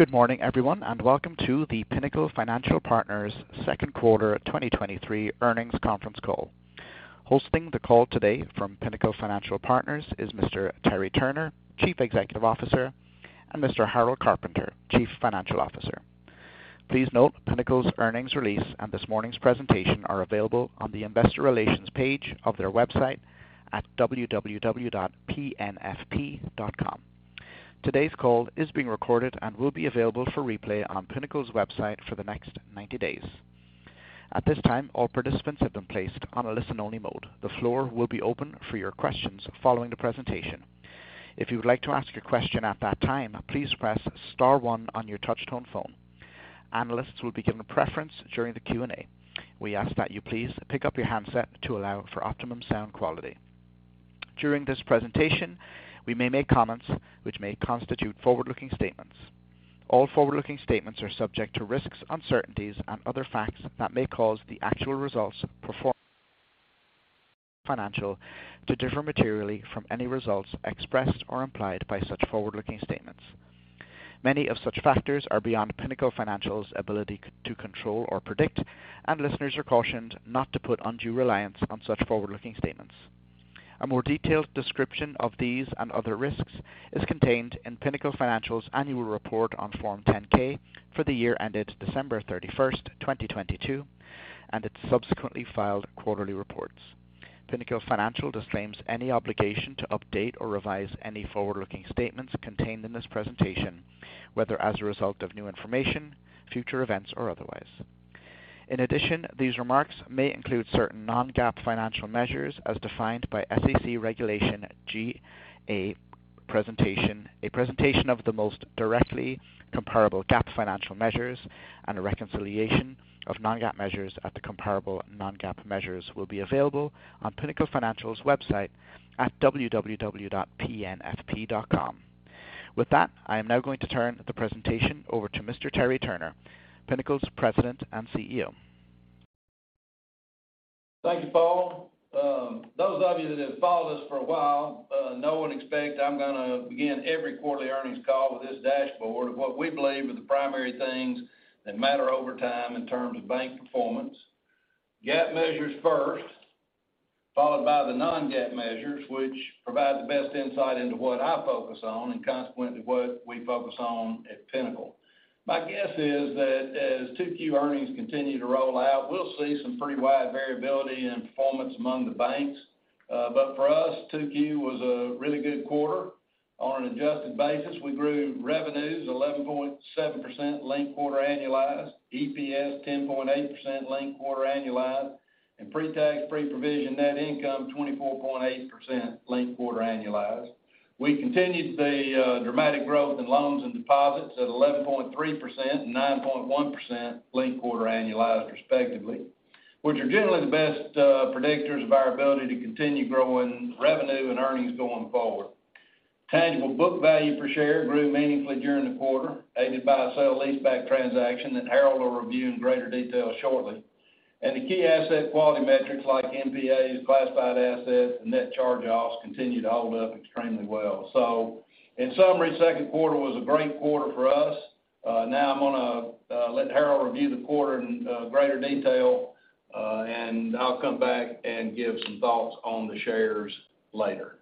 Good morning, everyone, welcome to the Pinnacle Financial Partners second quarter 2023 earnings conference call. Hosting the call today from Pinnacle Financial Partners is Mr. Terry Turner, Chief Executive Officer, and Mr. Harold Carpenter, Chief Financial Officer. Please note, Pinnacle's earnings release and this morning's presentation are available on the investor relations page of their website at www.pnfp.com. Today's call is being recorded and will be available for replay on Pinnacle's website for the next 90 days. At this time, all participants have been placed on a listen-only mode. The floor will be open for your questions following the presentation. If you would like to ask a question at that time, please press star one on your touchtone phone. Analysts will be given a preference during the Q&A. We ask that you please pick up your handset to allow for optimum sound quality. During this presentation, we may make comments which may constitute forward-looking statements. All forward-looking statements are subject to risks, uncertainties, and other facts that may cause the actual results of performance financial to differ materially from any results expressed or implied by such forward-looking statements. Many of such factors are beyond Pinnacle Financial's ability to control or predict, and listeners are cautioned not to put undue reliance on such forward-looking statements. A more detailed description of these and other risks is contained in Pinnacle Financial's annual report on Form 10-K for the year ended December 31st, 2022, and its subsequently filed quarterly reports. Pinnacle Financial disclaims any obligation to update or revise any forward-looking statements contained in this presentation, whether as a result of new information, future events, or otherwise. In addition, these remarks may include certain non-GAAP financial measures as defined by SEC Regulation G. A presentation of the most directly comparable GAAP financial measures and a reconciliation of non-GAAP measures at the comparable non-GAAP measures will be available on Pinnacle Financial's website at www.pnfp.com. With that, I am now going to turn the presentation over to Mr. Terry Turner, Pinnacle's President and CEO. Thank you, Paul. Those of you that have followed us for a while, know and expect I'm going to begin every quarterly earnings call with this dashboard of what we believe are the primary things that matter over time in terms of bank performance. GAAP measures first, followed by the non-GAAP measures, which provide the best insight into what I focus on and consequently, what we focus on at Pinnacle. My guess is that as 2Q earnings continue to roll out, we'll see some pretty wide variability in performance among the banks. For us, 2Q was a really good quarter. On an adjusted basis, we grew revenues 11.7% linked quarter annualized, EPS 10.8% linked quarter annualized, and pre-tax, pre-provision net income, 24.8% linked quarter annualized. We continued the dramatic growth in loans and deposits at 11.3% and 9.1% linked quarter annualized, respectively, which are generally the best predictors of our ability to continue growing revenue and earnings going forward. Tangible book value per share grew meaningfully during the quarter, aided by a sale leaseback transaction that Harold will review in greater detail shortly. The key asset quality metrics like NPAs, classified assets, and net charge-offs, continue to hold up extremely well. In summary, second quarter was a great quarter for us. Now I'm going to let Harold review the quarter in greater detail, and I'll come back and give some thoughts on the shares later.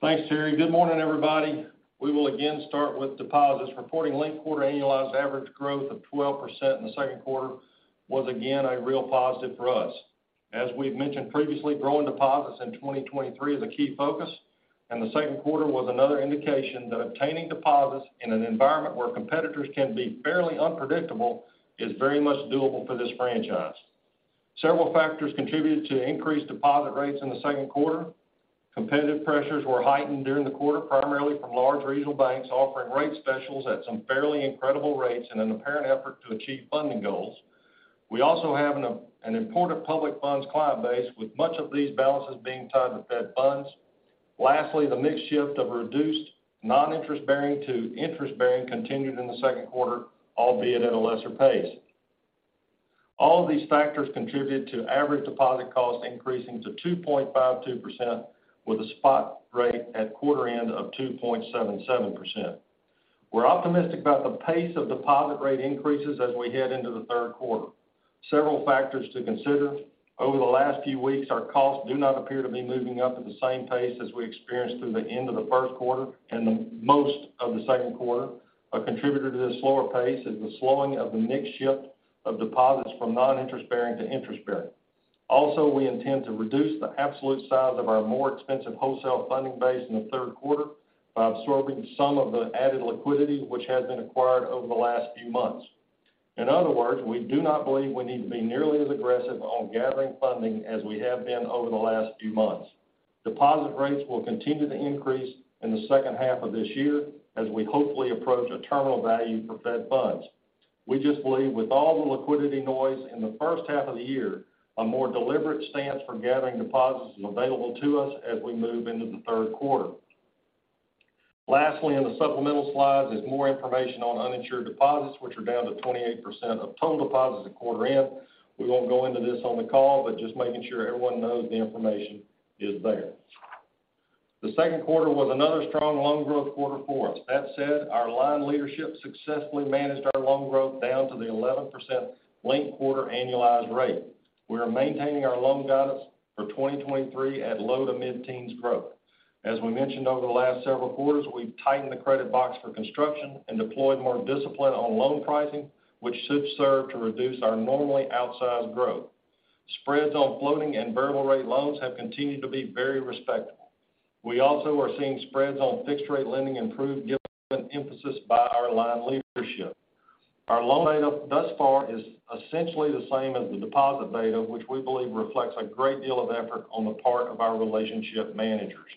Thanks, Terry. Good morning, everybody. We will again start with deposits. Reporting linked quarter annualized average growth of 12% in the second quarter was again a real positive for us. As we've mentioned previously, growing deposits in 2023 is a key focus. The second quarter was another indication that obtaining deposits in an environment where competitors can be fairly unpredictable is very much doable for this franchise. Several factors contributed to increased deposit rates in the second quarter. Competitive pressures were heightened during the quarter, primarily from large regional banks offering rate specials at some fairly incredible rates in an apparent effort to achieve funding goals. We also have an important public funds client base, with much of these balances being tied to Fed funds. Lastly, the mix shift of reduced non-interest bearing to interest bearing continued in the second quarter, albeit at a lesser pace. All of these factors contributed to average deposit costs increasing to 2.52%, with a spot rate at quarter end of 2.77%. We're optimistic about the pace of deposit rate increases as we head into the third quarter. Several factors to consider. Over the last few weeks, our costs do not appear to be moving up at the same pace as we experienced through the end of the first quarter and the most of the second quarter. A contributor to this slower pace is the slowing of the mix shift of deposits from non-interest bearing to interest bearing. Also, we intend to reduce the absolute size of our more expensive wholesale funding base in the third quarter by absorbing some of the added liquidity which has been acquired over the last few months. In other words, we do not believe we need to be nearly as aggressive on gathering funding as we have been over the last few months. Deposit rates will continue to increase in the second half of this year as we hopefully approach a terminal value for Fed Funds. We just believe with all the liquidity noise in the first half of the year, a more deliberate stance for gathering deposits is available to us as we move into the third quarter. Lastly, in the supplemental slides, there's more information on uninsured deposits, which are down to 28% of total deposits at quarter end. We won't go into this on the call, but just making sure everyone knows the information.... is there. The second quarter was another strong loan growth quarter for us. That said, our line leadership successfully managed our loan growth down to the 11% linked quarter annualized rate. We are maintaining our loan guidance for 2023 at low to mid-teens growth. As we mentioned over the last several quarters, we've tightened the credit box for construction and deployed more discipline on loan pricing, which should serve to reduce our normally outsized growth. Spreads on floating and variable rate loans have continued to be very respectable. We also are seeing spreads on fixed rate lending improve, given emphasis by our line leadership. Our loan beta thus far, is essentially the same as the deposit beta, which we believe reflects a great deal of effort on the part of our relationship managers.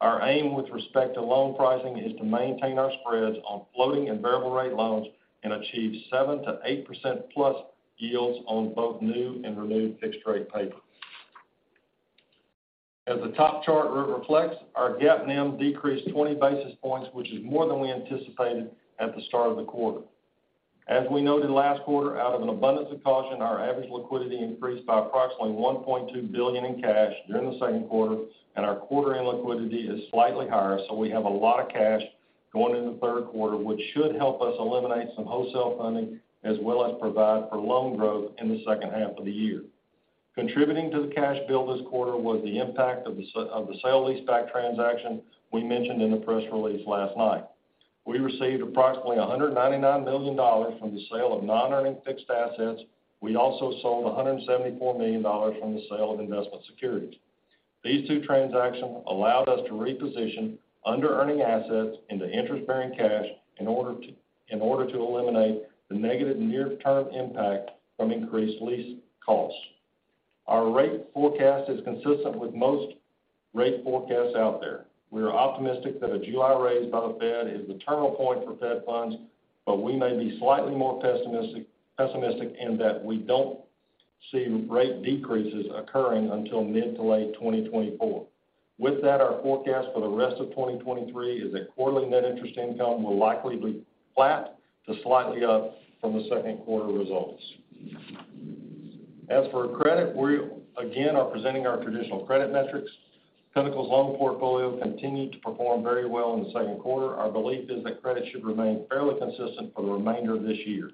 Our aim with respect to loan pricing, is to maintain our spreads on floating and variable rate loans and achieve 7%-8%+ yields on both new and renewed fixed-rate paper. As the top chart reflects, our GAAP NIM decreased 20 basis points, which is more than we anticipated at the start of the quarter. As we noted last quarter, out of an abundance of caution, our average liquidity increased by approximately $1.2 billion in cash during the second quarter, and our quarter-end liquidity is slightly higher. We have a lot of cash going into the third quarter, which should help us eliminate some wholesale funding, as well as provide for loan growth in the second half of the year. Contributing to the cash build this quarter, was the impact of the sale leaseback transaction we mentioned in the press release last night. We received approximately $199 million from the sale of non-earning fixed assets. We also sold $174 million from the sale of investment securities. These two transactions allowed us to reposition under earning assets into interest-bearing cash, in order to eliminate the negative near-term impact from increased lease costs. Our rate forecast is consistent with most rate forecasts out there. We are optimistic that a July raise by the Fed is the turning point for Fed funds, but we may be slightly more pessimistic in that we don't see rate decreases occurring until mid to late 2024. With that, our forecast for the rest of 2023 is that quarterly net interest income will likely be flat to slightly up from the second quarter results. As for credit, we again, are presenting our traditional credit metrics. CECL's loan portfolio continued to perform very well in the second quarter. Our belief is that credit should remain fairly consistent for the remainder of this year.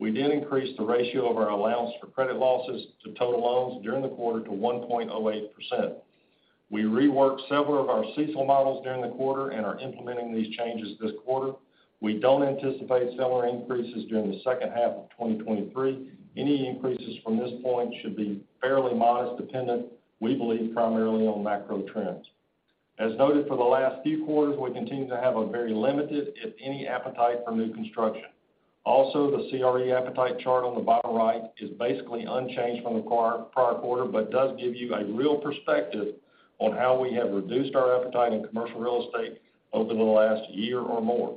We did increase the ratio of our allowance for credit losses to total loans during the quarter to 1.08%. We reworked several of our CECL models during the quarter and are implementing these changes this quarter. We don't anticipate similar increases during the second half of 2023. Any increases from this point should be fairly modest, dependent, we believe, primarily on macro trends. As noted for the last few quarters, we continue to have a very limited, if any, appetite for new construction. The CRE appetite chart on the bottom right is basically unchanged from the prior quarter, but does give you a real perspective on how we have reduced our appetite in commercial real estate over the last year or more.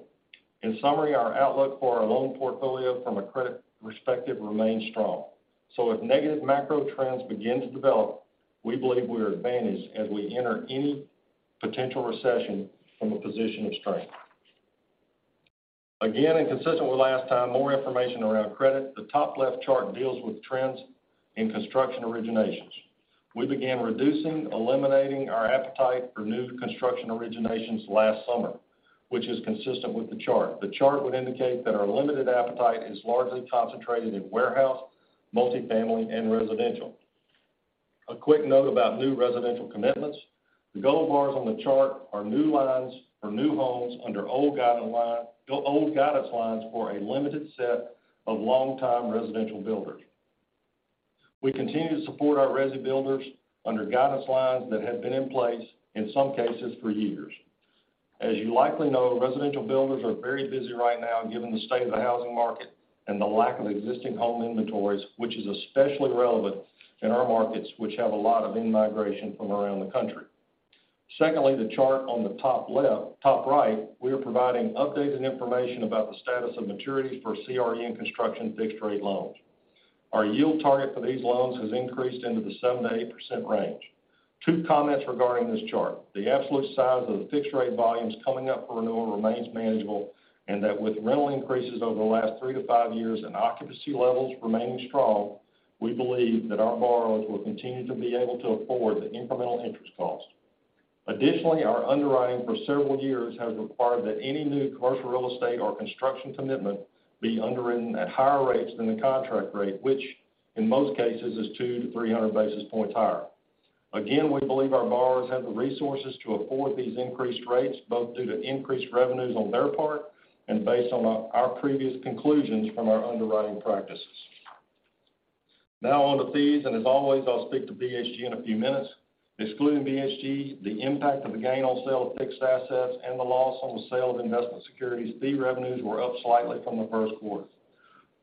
In summary, our outlook for our loan portfolio from a credit perspective remains strong. If negative macro trends begin to develop, we believe we are advantaged as we enter any potential recession from a position of strength. Again, consistent with last time, more information around credit. The top left chart deals with trends in construction originations. We began reducing, eliminating our appetite for new construction originations last summer, which is consistent with the chart. The chart would indicate that our limited appetite is largely concentrated in warehouse, multifamily, and residential. A quick note about new residential commitments. The gold bars on the chart are new lines for new homes under old guidance lines for a limited set of long-time residential builders. We continue to support our resi builders under guidance lines that have been in place, in some cases, for years. As you likely know, residential builders are very busy right now, given the state of the housing market and the lack of existing home inventories, which is especially relevant in our markets, which have a lot of in-migration from around the country. Secondly, the chart on the top left, top right, we are providing updated information about the status of maturities for CRE and construction fixed-rate loans. Our yield target for these loans has increased into the 7%-8% range. Two comments regarding this chart: the absolute size of the fixed-rate volumes coming up for renewal remains manageable, and that with rental increases over the last 3 to 5 years and occupancy levels remaining strong, we believe that our borrowers will continue to be able to afford the incremental interest cost. Additionally, our underwriting for several years has required that any new commercial real estate or construction commitment be underwritten at higher rates than the contract rate, which in most cases is 200-300 basis points higher. Again, we believe our borrowers have the resources to afford these increased rates, both due to increased revenues on their part and based on our previous conclusions from our underwriting practices. Now on to fees, and as always, I'll speak to BHG in a few minutes. Excluding BHG, the impact of the gain on sale of fixed assets and the loss on the sale of investment securities, fee revenues were up slightly from the first quarter.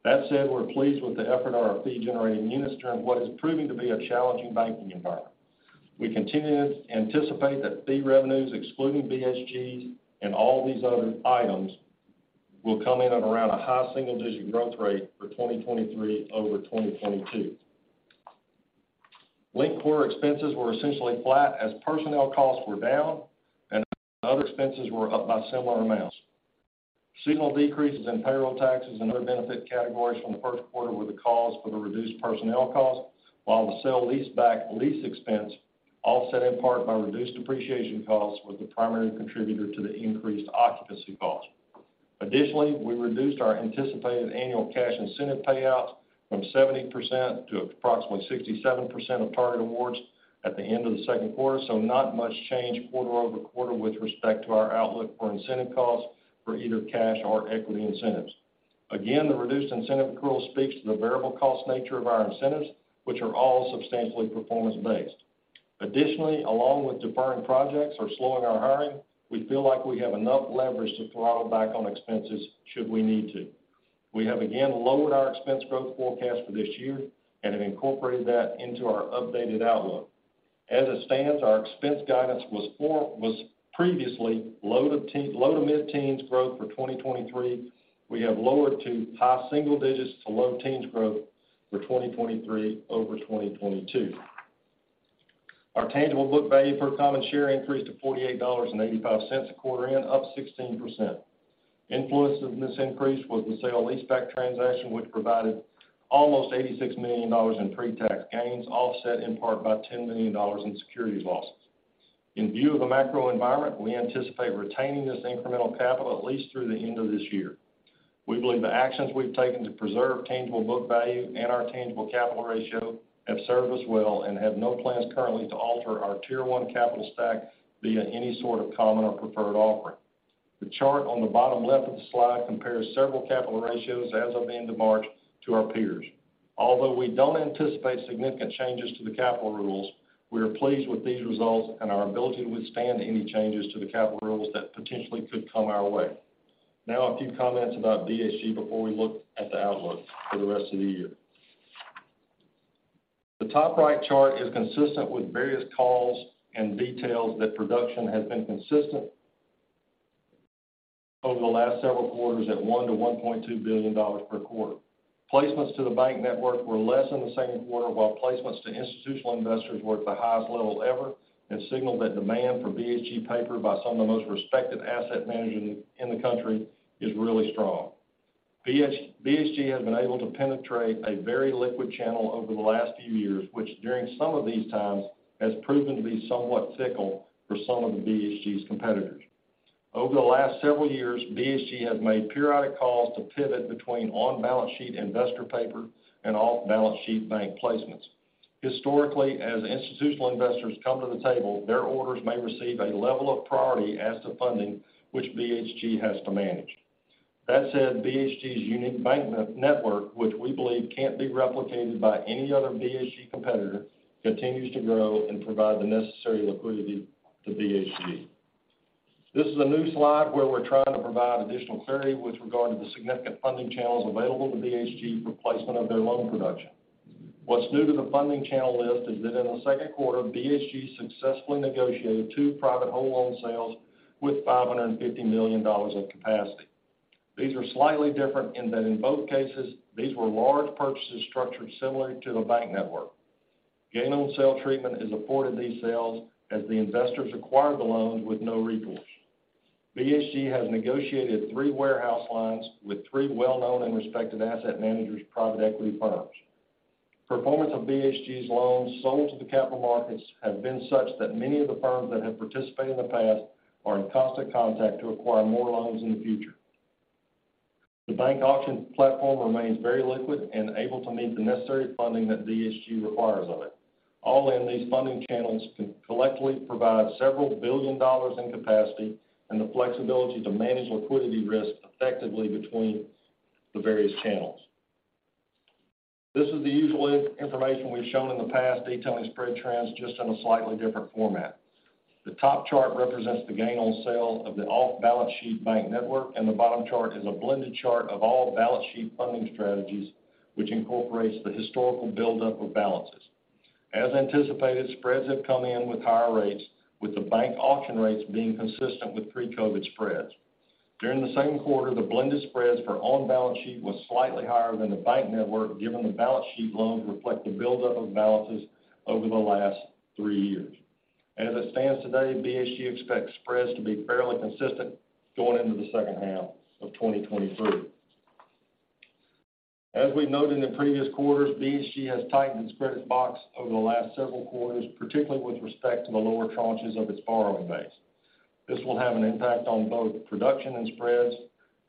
That said, we're pleased with the effort of our fee-generating units during what is proving to be a challenging banking environment. We continue to anticipate that fee revenues, excluding BHG and all these other items, will come in at around a high single-digit growth rate for 2023 over 2022. Linked quarter expenses were essentially flat, as personnel costs were down and other expenses were up by similar amounts. seasonal decreases in payroll taxes and other benefit categories from the first quarter were the cause for the reduced personnel costs, while the sale leaseback lease expense, offset in part by reduced depreciation costs, was the primary contributor to the increased occupancy costs. Additionally, we reduced our anticipated annual cash incentive payouts from 70% to approximately 67% of target awards at the end of the second quarter. Not much change quarter-over-quarter with respect to our outlook for incentive costs for either cash or equity incentives. Again, the reduced incentive accrual speaks to the variable cost nature of our incentives, which are all substantially performance-based. Additionally, along with deferring projects or slowing our hiring, we feel like we have enough leverage to throttle back on expenses should we need to. We have again lowered our expense growth forecast for this year and have incorporated that into our updated outlook. As it stands, our expense guidance was previously low to mid-teens growth for 2023. We have lowered to high single digits to low teens growth for 2023 over 2022. Our tangible book value per common share increased to $48.85 a quarter in, up 16%. Influenced of this increase was the sale leaseback transaction, which provided almost $86 million in pre-tax gains, offset in part by $10 million in securities losses. In view of the macro environment, we anticipate retaining this incremental capital at least through the end of this year. We believe the actions we've taken to preserve tangible book value and our tangible capital ratio have served us well and have no plans currently to alter our Tier 1 capital stack via any sort of common or preferred offering. The chart on the bottom left of the slide compares several capital ratios as of the end of March to our peers. We don't anticipate significant changes to the capital rules, we are pleased with these results and our ability to withstand any changes to the capital rules that potentially could come our way. A few comments about BHG before we look at the outlook for the rest of the year. The top right chart is consistent with various calls and details that production has been consistent over the last several quarters at $1 billion-$1.2 billion per quarter. Placements to the bank network were less in the second quarter, while placements to institutional investors were at the highest level ever and signaled that demand for BHG paper by some of the most respected asset managers in the country is really strong. BHG has been able to penetrate a very liquid channel over the last few years, which during some of these times has proven to be somewhat fickle for some of BHG's competitors. Over the last several years, BHG has made periodic calls to pivot between on-balance sheet investor paper and off-balance sheet bank placements. Historically, as institutional investors come to the table, their orders may receive a level of priority as to funding, which BHG has to manage. That said, BHG's unique bank network, which we believe can't be replicated by any other BHG competitor, continues to grow and provide the necessary liquidity to BHG. This is a new slide where we're trying to provide additional clarity with regard to the significant funding channels available to BHG for placement of their loan production. What's new to the funding channel list is that in the second quarter, BHG successfully negotiated 2 private whole loan sales with $550 million of capacity. These are slightly different in that in both cases, these were large purchases structured similarly to the bank network. Gain on sale treatment is afforded these sales as the investors acquired the loans with no recourse. BHG has negotiated 3 warehouse lines with 3 well-known and respected asset managers, private equity firms. Performance of BHG's loans sold to the capital markets have been such that many of the firms that have participated in the past are in constant contact to acquire more loans in the future. The bank auction platform remains very liquid and able to meet the necessary funding that BHG requires of it. All in, these funding channels can collectively provide several billion dollars in capacity and the flexibility to manage liquidity risk effectively between the various channels. This is the usual information we've shown in the past, detailing spread trends, just in a slightly different format. The top chart represents the gain on sale of the off-balance sheet bank network, and the bottom chart is a blended chart of all balance sheet funding strategies, which incorporates the historical buildup of balances. As anticipated, spreads have come in with higher rates, with the bank auction rates being consistent with pre-COVID spreads. During the second quarter, the blended spreads for on-balance sheet was slightly higher than the bank network, given the balance sheet loans reflect the buildup of balances over the last three years. As it stands today, BHG expects spreads to be fairly consistent going into the second half of 2023. As we've noted in previous quarters, BHG has tightened its credit box over the last several quarters, particularly with respect to the lower tranches of its borrowing base. This will have an impact on both production and spreads.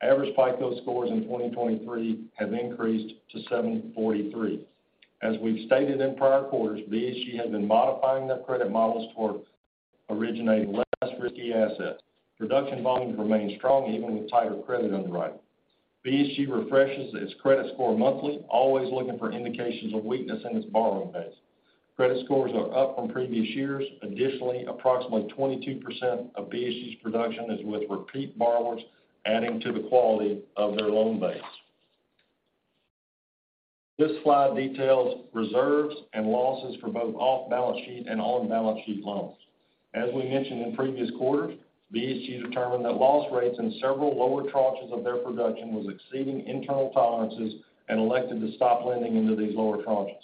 Average FICO scores in 2023 have increased to 743. As we've stated in prior quarters, BHG has been modifying their credit models toward originating less risky assets. Production volumes remain strong, even with tighter credit underwriting. BHG refreshes its credit score monthly, always looking for indications of weakness in its borrowing base. Credit scores are up from previous years. Additionally, approximately 22% of BHG's production is with repeat borrowers, adding to the quality of their loan base. This slide details reserves and losses for both off-balance sheet and on-balance sheet loans. As we mentioned in previous quarters, BHG determined that loss rates in several lower tranches of their production was exceeding internal tolerances and elected to stop lending into these lower tranches.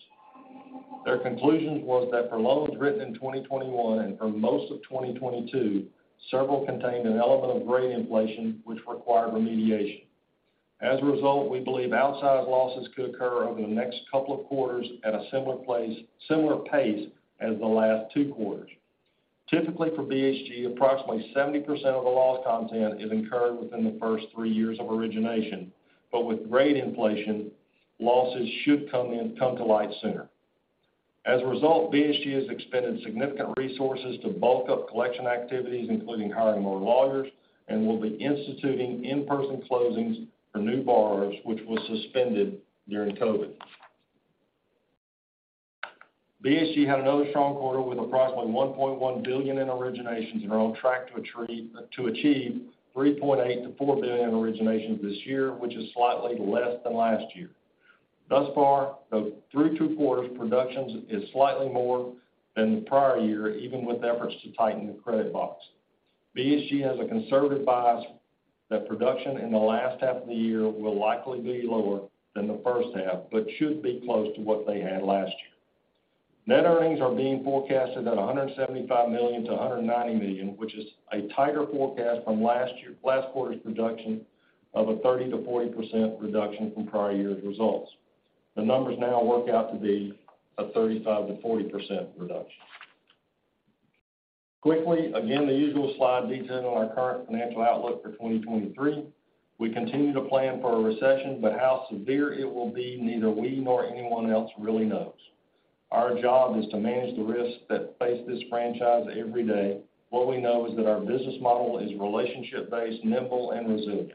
Their conclusion was that for loans written in 2021 and for most of 2022, several contained an element of grade inflation, which required remediation. As a result, we believe outsized losses could occur over the next couple of quarters at a similar place, similar pace as the last 2 quarters. Typically, for BHG, approximately 70% of the loss content is incurred within the first 3 years of origination, but with grade inflation, losses should come to light sooner. As a result, BHG has expended significant resources to bulk up collection activities, including hiring more lawyers, and will be instituting in-person closings for new borrowers, which was suspended during COVID. BHG had another strong quarter with approximately $1.1 billion in originations and are on track to achieve $3.8 billion-$4 billion in originations this year, which is slightly less than last year. Thus far, the three true quarters productions is slightly more than the prior year, even with efforts to tighten the credit box. BHG has a conservative bias that production in the last half of the year will likely be lower than the first half, but should be close to what they had last year. Net earnings are being forecasted at $175 million-$190 million, which is a tighter forecast from last quarter's reduction of a 30%-40% reduction from prior year's results. The numbers now work out to be a 35%-40% reduction. Quickly, again, the usual slide details on our current financial outlook for 2023. We continue to plan for a recession. How severe it will be, neither we nor anyone else really knows. Our job is to manage the risks that face this franchise every day. What we know is that our business model is relationship-based, nimble, and resilient.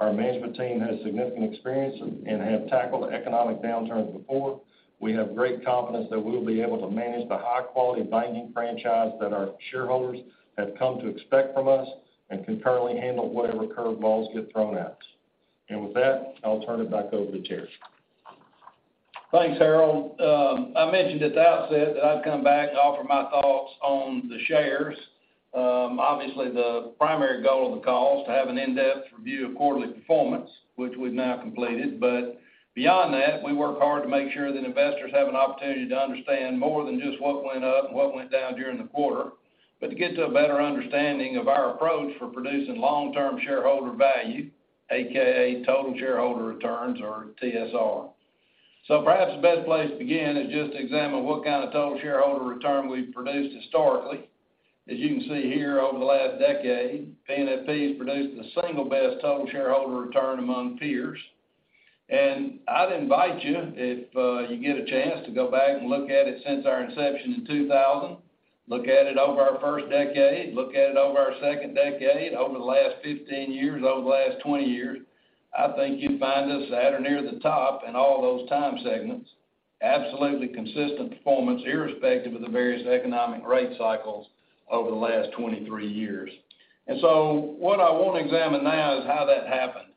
Our management team has significant experience and have tackled economic downturns before. We have great confidence that we'll be able to manage the high-quality banking franchise that our shareholders have come to expect from us and concurrently handle whatever curveballs get thrown at us. With that, I'll turn it back over to Terry. Thanks, Harold. I mentioned at the outset that I'd come back to offer my thoughts on the shares. Obviously, the primary goal of the call is to have an in-depth review of quarterly performance, which we've now completed. Beyond that, we work hard to make sure that investors have an opportunity to understand more than just what went up and what went down during the quarter, but to get to a better understanding of our approach for producing long-term shareholder value, AKA total shareholder returns, or TSR. Perhaps the best place to begin is just to examine what kind of total shareholder return we've produced historically. As you can see here, over the last decade, PNFP has produced the single best total shareholder return among peers. I'd invite you, if you get a chance to go back and look at it since our inception in 2000, look at it over our 1st decade, look at it over our 2nd decade, over the last 15 years, over the last 20 years, I think you'd find us at or near the top in all those time segments. Absolutely consistent performance, irrespective of the various economic rate cycles over the last 23 years. What I want to examine now is how that happened.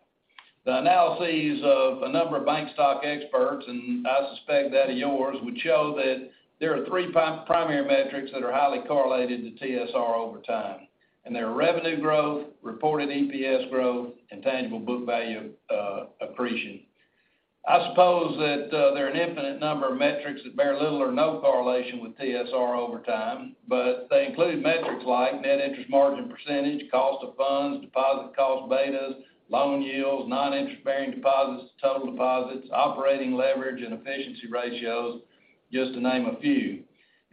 The analyses of a number of bank stock experts, and I suspect that of yours, would show that there are three primary metrics that are highly correlated to TSR over time, and they are revenue growth, reported EPS growth, and tangible book value accretion. I suppose that there are an infinite number of metrics that bear little or no correlation with TSR over time, but they include metrics like net interest margin percentage, cost of funds, deposit cost betas, loan yields, non-interest-bearing deposits, total deposits, operating leverage and efficiency ratios, just to name a few.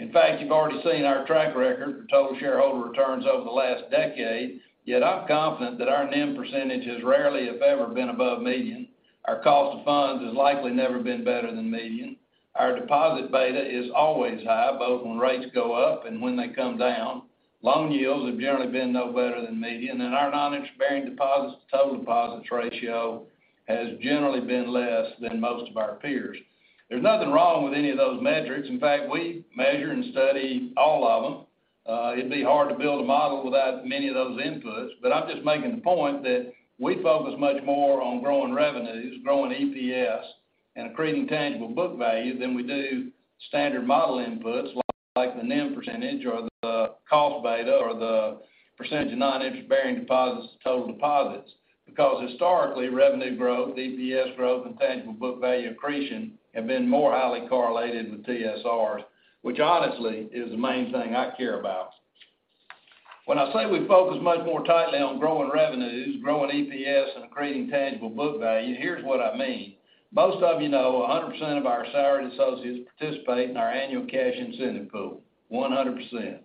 In fact, you've already seen our track record for total shareholder returns over the last decade, yet I'm confident that our NIM percentage has rarely, if ever, been above median. Our cost of funds has likely never been better than median. Our deposit beta is always high, both when rates go up and when they come down. Loan yields have generally been no better than median, and our non-interest-bearing deposits to total deposits ratio has generally been less than most of our peers. There's nothing wrong with any of those metrics. In fact, we measure and study all of them. It'd be hard to build a model without many of those inputs, but I'm just making the point that we focus much more on growing revenues, growing EPS, and accreting tangible book value than we do standard model inputs, like the NIM percentage or the cost beta or the percentage of non-interest-bearing deposits to total deposits, because historically, revenue growth, EPS growth, and tangible book value accretion have been more highly correlated with TSRs, which, honestly, is the main thing I care about. When I say we focus much more tightly on growing revenues, growing EPS, and accreting tangible book value, here's what I mean. Most of you know, 100% of our salaried associates participate in our annual cash incentive pool, 100%.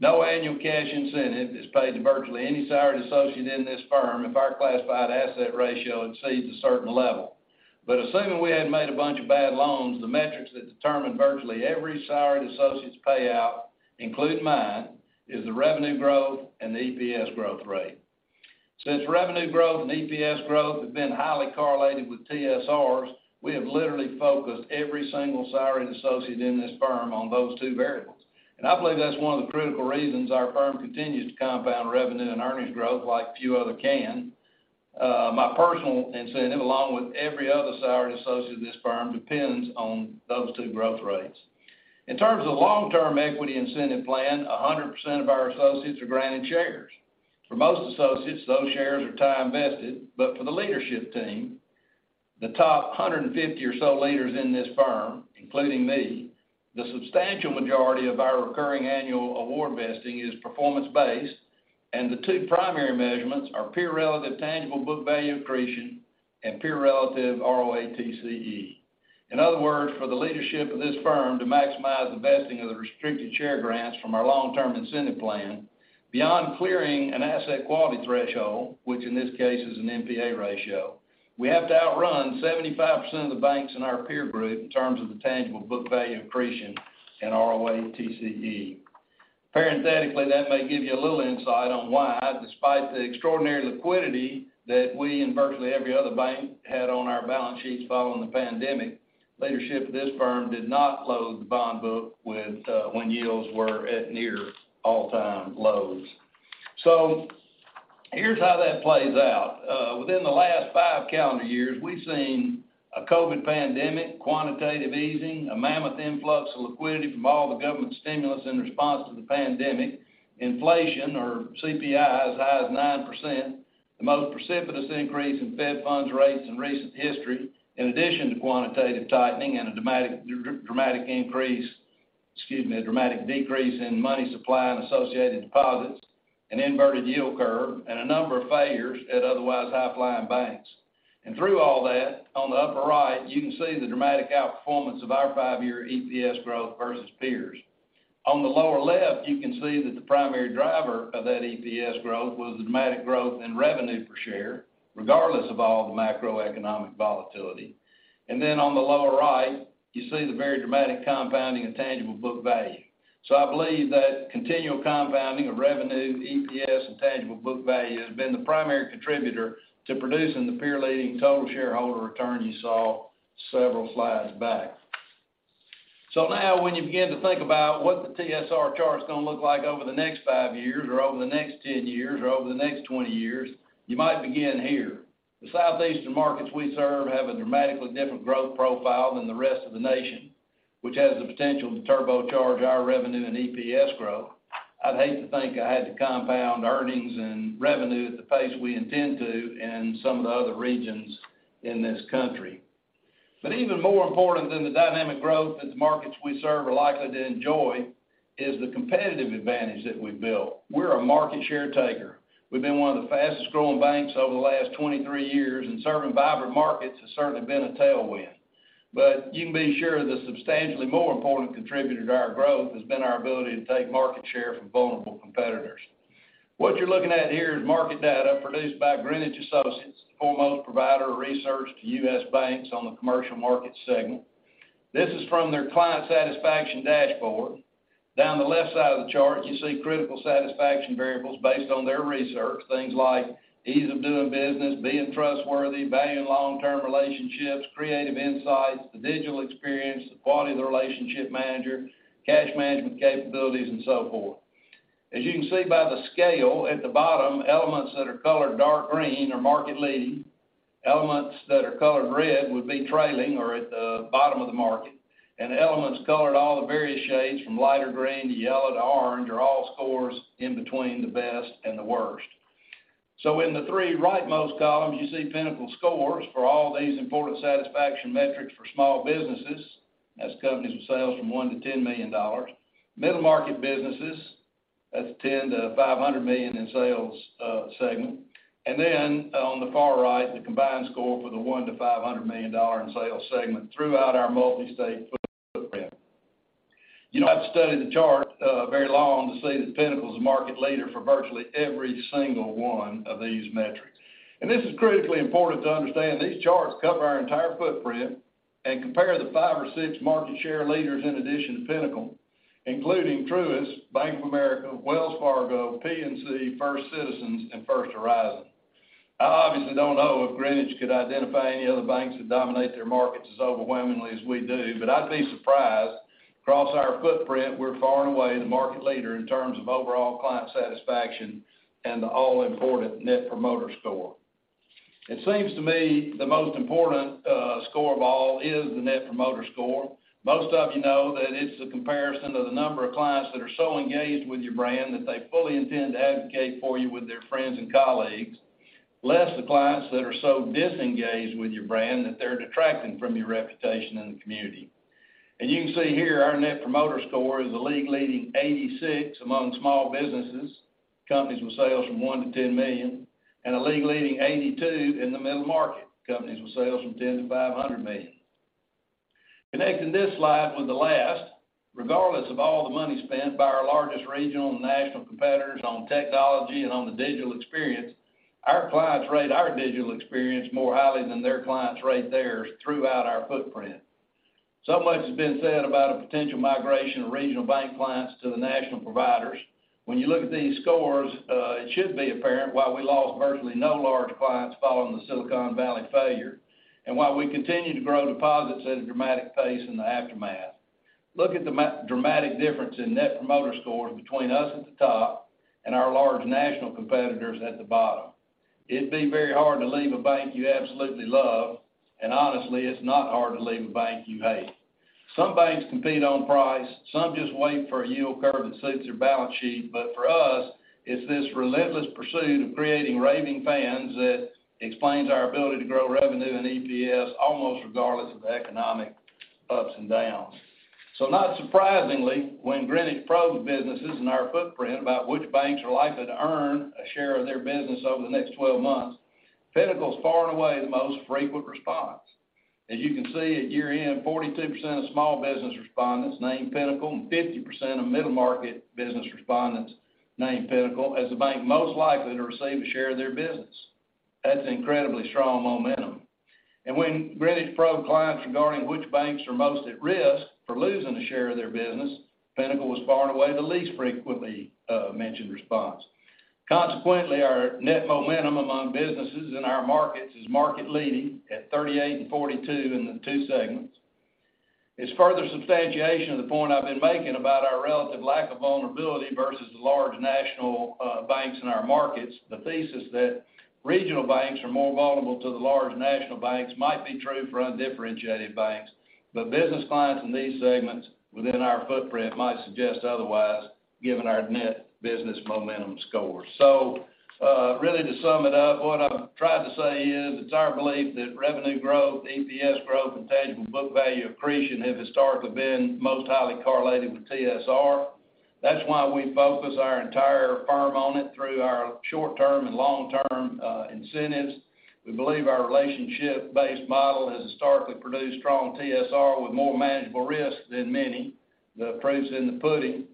No annual cash incentive is paid to virtually any salaried associate in this firm if our classified asset ratio exceeds a certain level. Assuming we hadn't made a bunch of bad loans, the metrics that determine virtually every salaried associate's payout, including mine, is the revenue growth and the EPS growth rate. Since revenue growth and EPS growth have been highly correlated with TSRs, we have literally focused every single salaried associate in this firm on those two variables. I believe that's one of the critical reasons our firm continues to compound revenue and earnings growth like few other can. My personal incentive, along with every other salaried associate in this firm, depends on those two growth rates. In terms of long-term equity incentive plan, 100% of our associates are granted shares. For most associates, those shares are time vested, but for the leadership team, the top 150 or so leaders in this firm, including me, the substantial majority of our recurring annual award vesting is performance-based, and the two primary measurements are peer relative tangible book value accretion and peer relative ROATCE. In other words, for the leadership of this firm to maximize the vesting of the restricted share grants from our long-term incentive plan, beyond clearing an asset quality threshold, which in this case is an NPA ratio, we have to outrun 75% of the banks in our peer group in terms of the tangible book value accretion and ROATCE. Parenthetically, that may give you a little insight on why, despite the extraordinary liquidity that we and virtually every other bank had on our balance sheets following the pandemic, leadership of this firm did not load the bond book with when yields were at near all-time lows. Here's how that plays out. Within the last 5 calendar years, we've seen a COVID pandemic, quantitative easing, a mammoth influx of liquidity from all the government stimulus in response to the pandemic, inflation or CPI as high as 9%, the most precipitous increase in Fed Funds rates in recent history, in addition to quantitative tightening and a dramatic decrease in money supply and associated deposits, an inverted yield curve, and a number of failures at otherwise high-flying banks. Through all that, on the upper right, you can see the dramatic outperformance of our 5-year EPS growth versus peers. On the lower left, you can see that the primary driver of that EPS growth was the dramatic growth in revenue per share, regardless of all the macroeconomic volatility. Then on the lower right, you see the very dramatic compounding of tangible book value. I believe that continual compounding of revenue, EPS, and tangible book value has been the primary contributor to producing the peer-leading total shareholder return you saw several slides back. Now, when you begin to think about what the TSR chart is going to look like over the next 5 years or over the next 10 years or over the next 20 years, you might begin here. The Southeastern markets we serve have a dramatically different growth profile than the rest of the nation, which has the potential to turbocharge our revenue and EPS growth. I'd hate to think I had to compound earnings and revenue at the pace we intend to in some of the other regions in this country. Even more important than the dynamic growth that the markets we serve are likely to enjoy, is the competitive advantage that we've built. We're a market share taker. We've been one of the fastest-growing banks over the last 23 years, and serving vibrant markets has certainly been a tailwind. You can be sure the substantially more important contributor to our growth has been our ability to take market share from vulnerable competitors. What you're looking at here is market data produced by Greenwich Associates, the foremost provider of research to U.S. banks on the commercial market segment. This is from their client satisfaction dashboard. Down the left side of the chart, you see critical satisfaction variables based on their research, things like ease of doing business, being trustworthy, valuing long-term relationships, creative insights, the digital experience, the quality of the relationship manager, cash management capabilities, and so forth. As you can see by the scale at the bottom, elements that are colored dark green are market leading, elements that are colored red would be trailing or at the bottom of the market, and elements colored all the various shades from lighter green to yellow to orange are all scores in between the best and the worst. In the three rightmost columns, you see Pinnacle scores for all these important satisfaction metrics for small businesses, that's companies with sales from $1 million-$10 million, middle-market businesses, that's $10 million-$500 million in sales segment, and then on the far right, the combined score for the $1 million-$500 million in sales segment throughout our multi-state footprint. You don't have to study the chart very long to see that Pinnacle is a market leader for virtually every single one of these metrics. This is critically important to understand. These charts cover our entire footprint and compare the five or six market share leaders in addition to Pinnacle, including Truist, Bank of America, Wells Fargo, PNC, First Citizens, and First Horizon. I obviously don't know if Greenwich could identify any other banks that dominate their markets as overwhelmingly as we do, but I'd be surprised. Across our footprint, we're far and away the market leader in terms of overall client satisfaction and the all-important Net Promoter Score. It seems to me the most important score of all is the Net Promoter Score. Most of you know that it's a comparison to the number of clients that are so engaged with your brand, that they fully intend to advocate for you with their friends and colleagues, less the clients that are so disengaged with your brand that they're detracting from your reputation in the community. You can see here, our Net Promoter Score is a league-leading 86 among small businesses, companies with sales from $1 million-$10 million, and a league-leading 82 in the middle market, companies with sales from $10 million-$500 million. Connecting this slide with the last, regardless of all the money spent by our largest regional and national competitors on technology and on the digital experience, our clients rate our digital experience more highly than their clients rate theirs throughout our footprint. Much has been said about a potential migration of regional bank clients to the national providers. You look at these scores, it should be apparent why we lost virtually no large clients following the Silicon Valley failure, and why we continue to grow deposits at a dramatic pace in the aftermath. Look at the dramatic difference in Net Promoter Score between us at the top and our large national competitors at the bottom. It'd be very hard to leave a bank you absolutely love. Honestly, it's not hard to leave a bank you hate. Some banks compete on price, some just wait for a yield curve that suits their balance sheet. For us, it's this relentless pursuit of creating raving fans that explains our ability to grow revenue and EPS, almost regardless of the economic ups and downs. Not surprisingly, when Greenwich probes businesses in our footprint, about which banks are likely to earn a share of their business over the next 12 months, Pinnacle is far and away the most frequent response. As you can see, at year-end, 42% of small business respondents named Pinnacle, and 50% of middle-market business respondents named Pinnacle as the bank most likely to receive a share of their business. That's incredibly strong momentum. When Greenwich probe clients regarding which banks are most at risk for losing a share of their business, Pinnacle was far and away the least frequently mentioned response. Consequently, our net momentum among businesses in our markets is market-leading at 38% and 42% in the two segments. As further substantiation of the point I've been making about our relative lack of vulnerability versus the large national banks in our markets, the thesis that regional banks are more vulnerable to the large national banks might be true for undifferentiated banks, but business clients in these segments within our footprint might suggest otherwise, given our net business momentum score. Really, to sum it up, what I've tried to say is, it's our belief that revenue growth, EPS growth, and tangible book value accretion have historically been most highly correlated with TSR. That's why we focus our entire firm on it through our short-term and long-term incentives. We believe our relationship-based model has historically produced strong TSR with more manageable risk than many. The proof is in the pudding.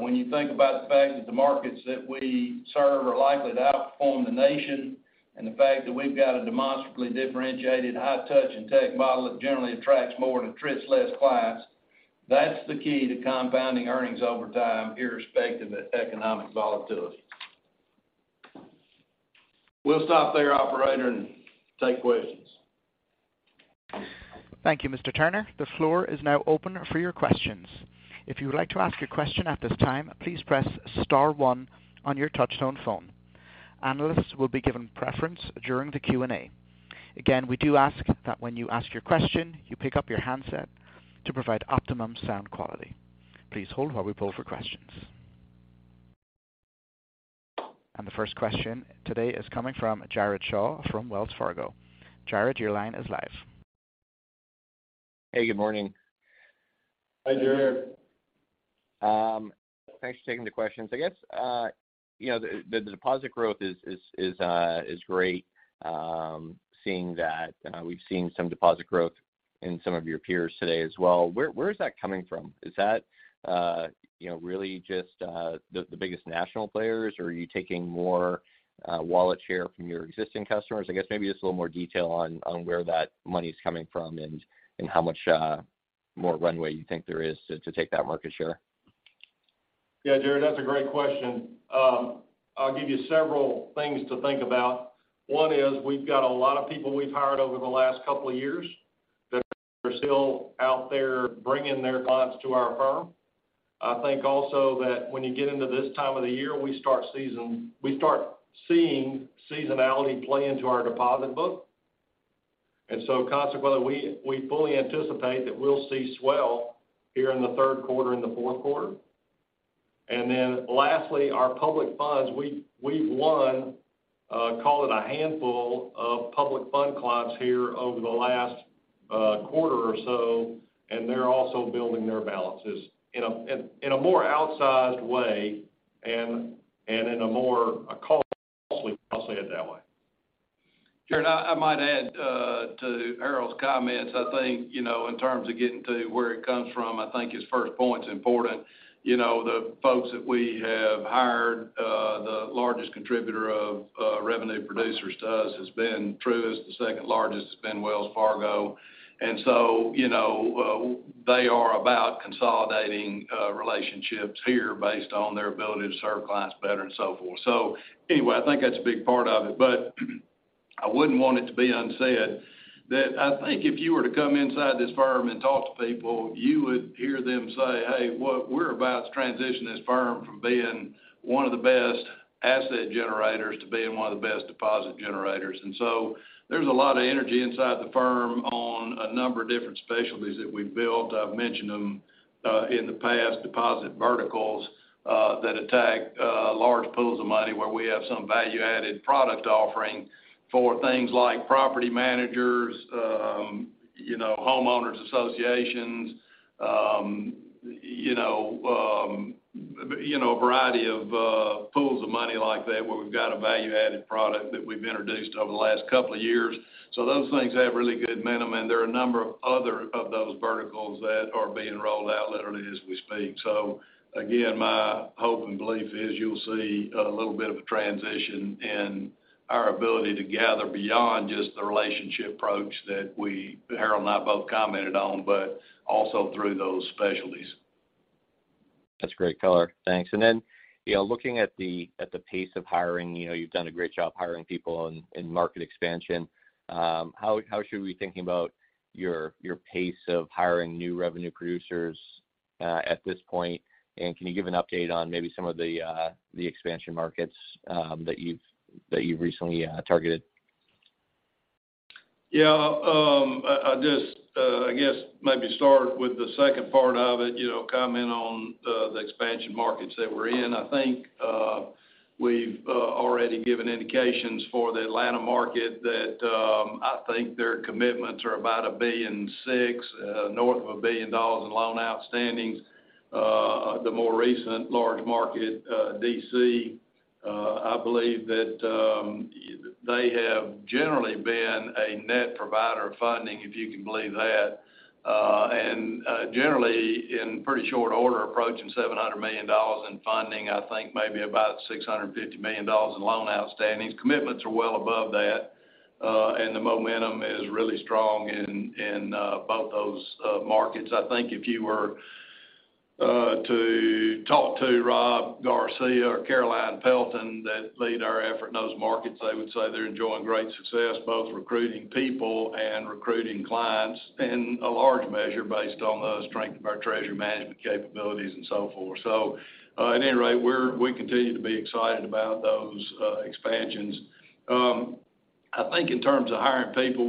When you think about the fact that the markets that we serve are likely to outperform the nation, and the fact that we've got a demonstrably differentiated high touch and tech model that generally attracts more and attracts less clients, that's the key to compounding earnings over time, irrespective of economic volatility. We'll stop there, operator, and take questions. Thank you, Mr. Turner. The floor is now open for your questions. If you would like to ask a question at this time, please press star one on your touchtone phone. Analysts will be given preference during the Q&A. Again, we do ask that when you ask your question, you pick up your handset to provide optimum sound quality. Please hold while we pull for questions. The first question today is coming from Jared Shaw from Wells Fargo. Jared, your line is live. Hey, good morning. Hi, Jared. Thanks for taking the questions. I guess, you know, the deposit growth is great, seeing that, we've seen some deposit growth in some of your peers today as well. Where is that coming from? Is that, you know, really just, the biggest national players, or are you taking more, wallet share from your existing customers? I guess maybe just a little more detail on where that money's coming from and how much, more runway you think there is to take that market share? Yeah, Jared, that's a great question. I'll give you several things to think about. One is, we've got a lot of people we've hired over the last couple of years that are still out there bringing their clients to our firm. I think also that when you get into this time of the year, we start seeing seasonality play into our deposit book. Consequently, we fully anticipate that we'll see swell here in the third quarter and the fourth quarter. Lastly, our public funds, we've won call it a handful of public fund clients here over the last quarter or so. They're also building their balances in a more outsized way and in a more costly, I'll say it that way. Jared, I might add to Harold's comments. I think, you know, in terms of getting to where it comes from, I think his first point is important. You know, the folks that we have hired, the largest contributor of revenue producers to us has been Truist, the second largest has been Wells Fargo. You know, they are about consolidating relationships here based on their ability to serve clients better and so forth. Anyway, I think that's a big part of it, but I wouldn't want it to be unsaid, that I think if you were to come inside this firm and talk to people, you would hear them say, "Hey, what we're about to transition this firm from being one of the best asset generators to being one of the best deposit generators." There's a lot of energy inside the firm on a number of different specialties that we've built. I've mentioned them in the past, deposit verticals, that attack large pools of money, where we have some value-added product offering for things like property managers, you know, homeowners associations, you know, a variety of pools of money like that, where we've got a value-added product that we've introduced over the last couple of years. Those things have really good momentum, and there are a number of other of those verticals that are being rolled out, literally as we speak. Again, my hope and belief is you'll see a little bit of a transition in our ability to gather beyond just the relationship approach that we, Harold and I, both commented on, but also through those specialties. That's great, color. Thanks. You know, looking at the pace of hiring, you know, you've done a great job hiring people in market expansion. How should we be thinking about your pace of hiring new revenue producers at this point? Can you give an update on maybe some of the expansion markets that you've recently targeted? Yeah, I just, I guess maybe start with the second part of it, you know, comment on the expansion markets that we're in. I think we've already given indications for the Atlanta market that I think their commitments are about $1.6 billion, north of $1 billion in loan outstandings. The more recent large market, D.C., I believe that they have generally been a net provider of funding, if you can believe that. Generally, in pretty short order, approaching $700 million in funding, I think maybe about $650 million in loan outstandings. Commitments are well above that, and the momentum is really strong in both those markets. I think if you were to talk to Rob Garcia or Carolyn Pelton, that lead our effort in those markets, they would say they're enjoying great success, both recruiting people and recruiting clients, in a large measure, based on the strength of our treasury management capabilities and so forth. At any rate, we continue to be excited about those expansions. I think in terms of hiring people,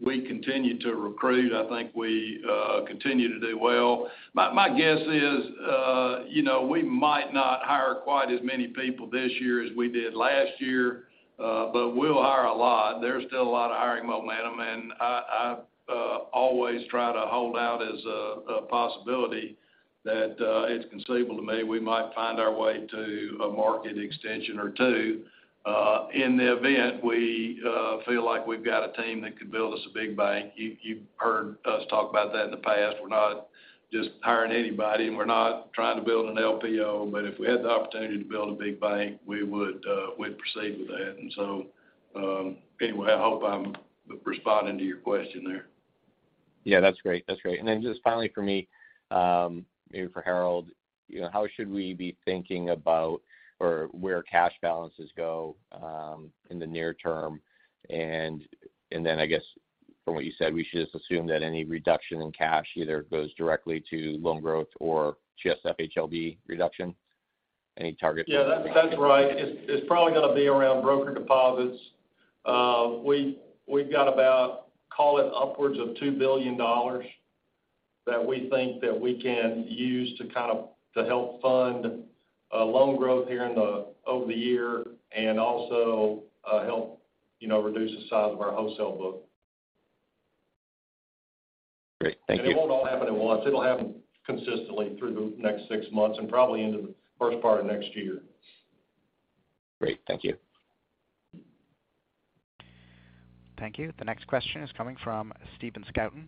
we continue to recruit. I think we continue to do well. My guess is, you know, we might not hire quite as many people this year as we did last year, but we'll hire a lot. There's still a lot of hiring momentum, and I always try to hold out as a possibility that it's conceivable to me, we might find our way to a market extension or two. In the event, we feel like we've got a team that could build us a big bank. You've heard us talk about that in the past. We're not just hiring anybody, and we're not trying to build an LPO, but if we had the opportunity to build a big bank, we would, we'd proceed with that. Anyway, I hope I'm responding to your question there. Yeah, that's great. That's great. Then just finally for me, maybe for Harold, you know, how should we be thinking about or where cash balances go in the near term? I guess, from what you said, we should just assume that any reduction in cash either goes directly to loan growth or just FHLB reduction? Any targets? Yeah, that's right. It's probably going to be around broker deposits. we've got about, call it upwards of $2 billion, that we think that we can use to kind of help fund loan growth here over the year, and also help, you know, reduce the size of our wholesale book. Great, thank you. It won't all happen at once. It'll happen consistently through the next six months and probably into the first part of next year. Great, thank you. Thank you. The next question is coming from Stephen Scouten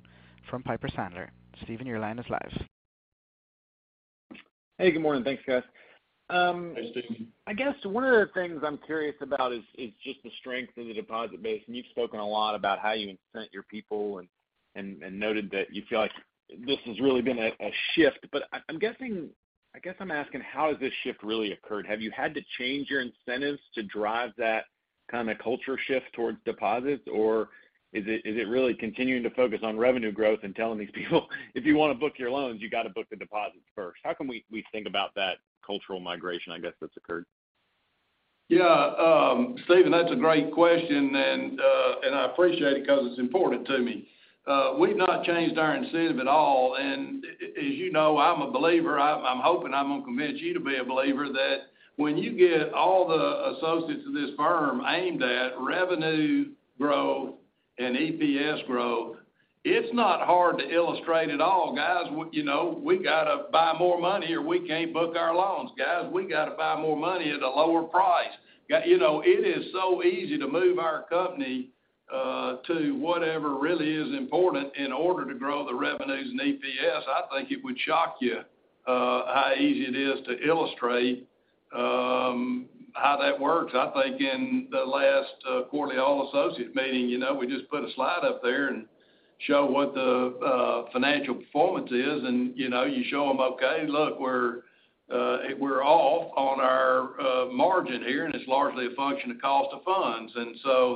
from Piper Sandler. Stephen, your line is live. Hey, good morning. Thanks, guys. Hey, Stephen. I guess one of the things I'm curious about is just the strength in the deposit base, and you've spoken a lot about how you incent your people and noted that you feel like this has really been a shift. I'm guessing, I'm asking, how has this shift really occurred? Have you had to change your incentives to drive that kind of culture shift towards deposits? Or is it really continuing to focus on revenue growth and telling these people, "If you want to book your loans, you got to book the deposits first?" How can we think about that cultural migration, I guess, that's occurred? Yeah, Stephen, that's a great question, and I appreciate it because it's important to me. We've not changed our incentive at all. As you know, I'm a believer, I'm hoping I'm going to convince you to be a believer, that when you get all the associates of this firm aimed at revenue growth and EPS growth, it's not hard to illustrate at all. Guys, you know, we got to buy more money, or we can't book our loans. Guys, we got to buy more money at a lower price. You know, it is so easy to move our company to whatever really is important in order to grow the revenues and EPS. I think it would shock you how easy it is to illustrate how that works. I think in the last, quarterly all-associate meeting, you know, we just put a slide up there and show what the, financial performance is, and, you know, you show them, okay, look, we're off on our, margin here, and it's largely a function of cost of funds.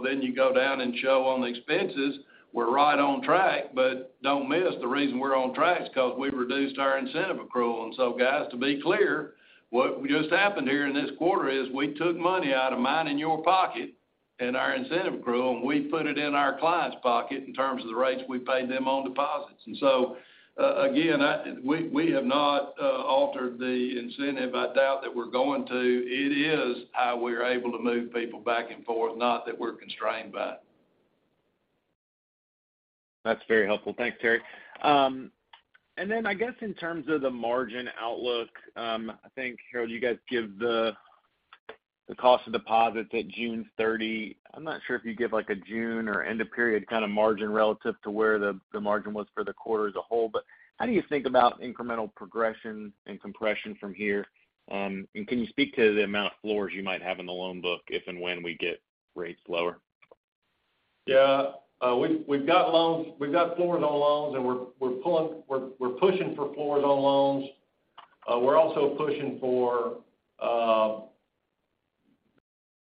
Then you go down and show on the expenses, we're right on track, but don't miss the reason we're on track is because we reduced our incentive accrual. Guys, to be clear, what just happened here in this quarter is we took money out of mine and your pocket and our incentive accrual, and we put it in our client's pocket in terms of the rates we paid them on deposits. Again, I we have not, altered the incentive. I doubt that we're going to. It is how we're able to move people back and forth, not that we're constrained by it. That's very helpful. Thanks, Terry. I guess in terms of the margin outlook, I think, Harold, you guys give the cost of deposits at June 30. I'm not sure if you give, like, a June or end of period kind of margin relative to where the margin was for the quarter as a whole. How do you think about incremental progression and compression from here? Can you speak to the amount of floors you might have in the loan book, if and when we get rates lower? Yeah. We've got floors on loans. We're pushing for floors on loans. We're also pushing for,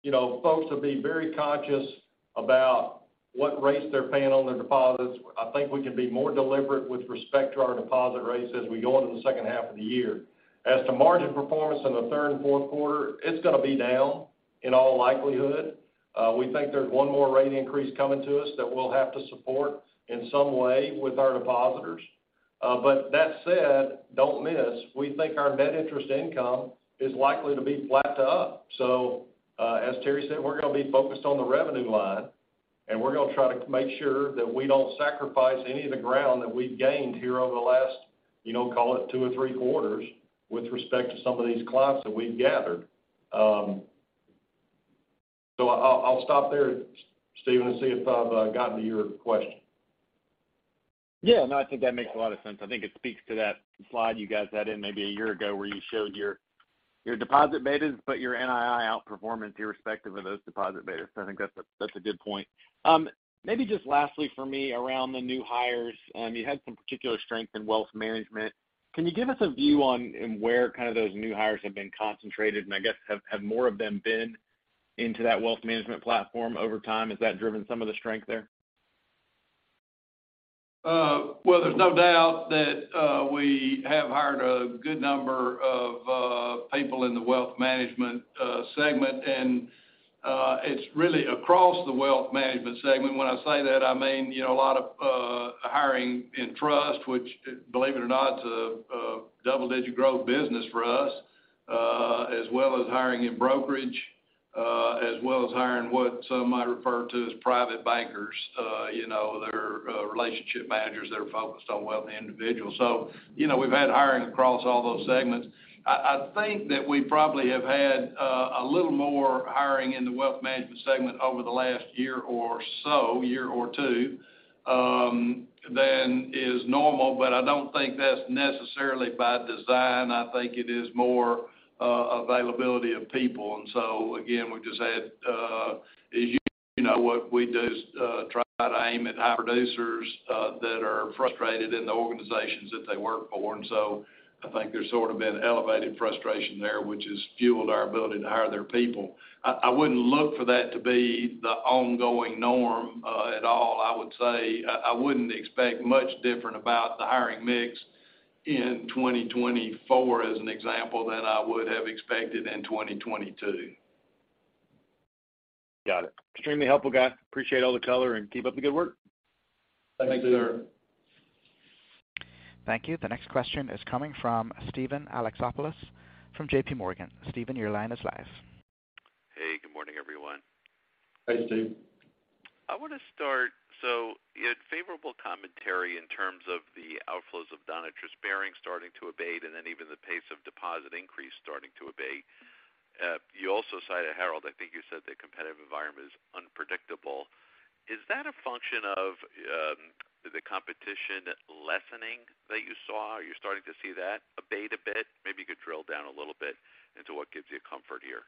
you know, folks to be very conscious about what rates they're paying on their deposits. I think we can be more deliberate with respect to our deposit rates as we go into the second half of the year. As to margin performance in the 3rd and 4th quarter, it's going to be down in all likelihood. We think there's 1 more rate increase coming to us that we'll have to support in some way with our depositors. That said, don't miss, we think our net interest income is likely to be flat to up. As Terry said, we're going to be focused on the revenue line, and we're going to try to make sure that we don't sacrifice any of the ground that we've gained here over the last, you know, call it 2 or 3 quarters, with respect to some of these clients that we've gathered. I'll stop there, Steven, and see if I've gotten to your question. No, I think that makes a lot of sense. I think it speaks to that slide you guys had in maybe a year ago, where you showed your deposit betas, but your NII outperformance, irrespective of those deposit betas. I think that's a good point. Maybe just lastly for me, around the new hires, you had some particular strength in wealth management. Can you give us a view on where kind of those new hires have been concentrated, and I guess, have more of them been into that wealth management platform over time? Has that driven some of the strength there? Well, there's no doubt that we have hired a good number of people in the wealth management segment, and it's really across the wealth management segment. When I say that, I mean, you know, a lot of hiring in trust, which, believe it or not, is a double-digit growth business for us, as well as hiring in brokerage, as well as hiring what some might refer to as private bankers, you know, that are relationship managers that are focused on wealthy individuals. You know, we've had hiring across all those segments. I think that we probably have had a little more hiring in the wealth management segment over the last year or so, year or two, than is normal, but I don't think that's necessarily by design. I think it is more availability of people. Again, we've just had, you know, what we do is try to aim at high producers that are frustrated in the organizations that they work for. I think there's sort of been elevated frustration there, which has fueled our ability to hire their people. I wouldn't look for that to be the ongoing norm at all. I would say I wouldn't expect much different about the hiring mix in 2024, as an example, than I would have expected in 2022. Got it. Extremely helpful, guys. Appreciate all the color, and keep up the good work. Thank you, sir. Thank you. The next question is coming from Steven Alexopoulos from JPMorgan. Steven, your line is live. Hey, good morning, everyone. Hey, Steve. I want to start, you had favorable commentary in terms of the outflows of non-interest bearing, starting to abate, and then even the pace of deposit increase starting to abate. You also cited, Harold, I think you said the competitive environment is unpredictable. Is that a function of the competition lessening that you saw? Are you starting to see that abate a bit? Maybe you could drill down a little bit into what gives you comfort here.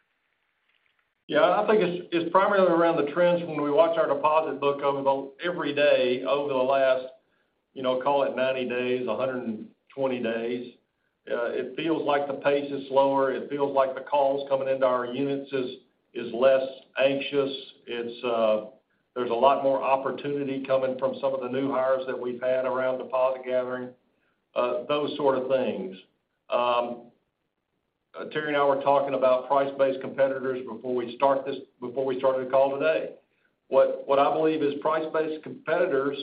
Yeah, I think it's primarily around the trends. When we watch our deposit book every day, over the last, you know, call it 90 days, 120 days, it feels like the pace is slower. It feels like the calls coming into our units is less anxious. It's, there's a lot more opportunity coming from some of the new hires that we've had around deposit gathering, those sort of things. Terry and I were talking about price-based competitors before we started the call today. What I believe is price-based competitors,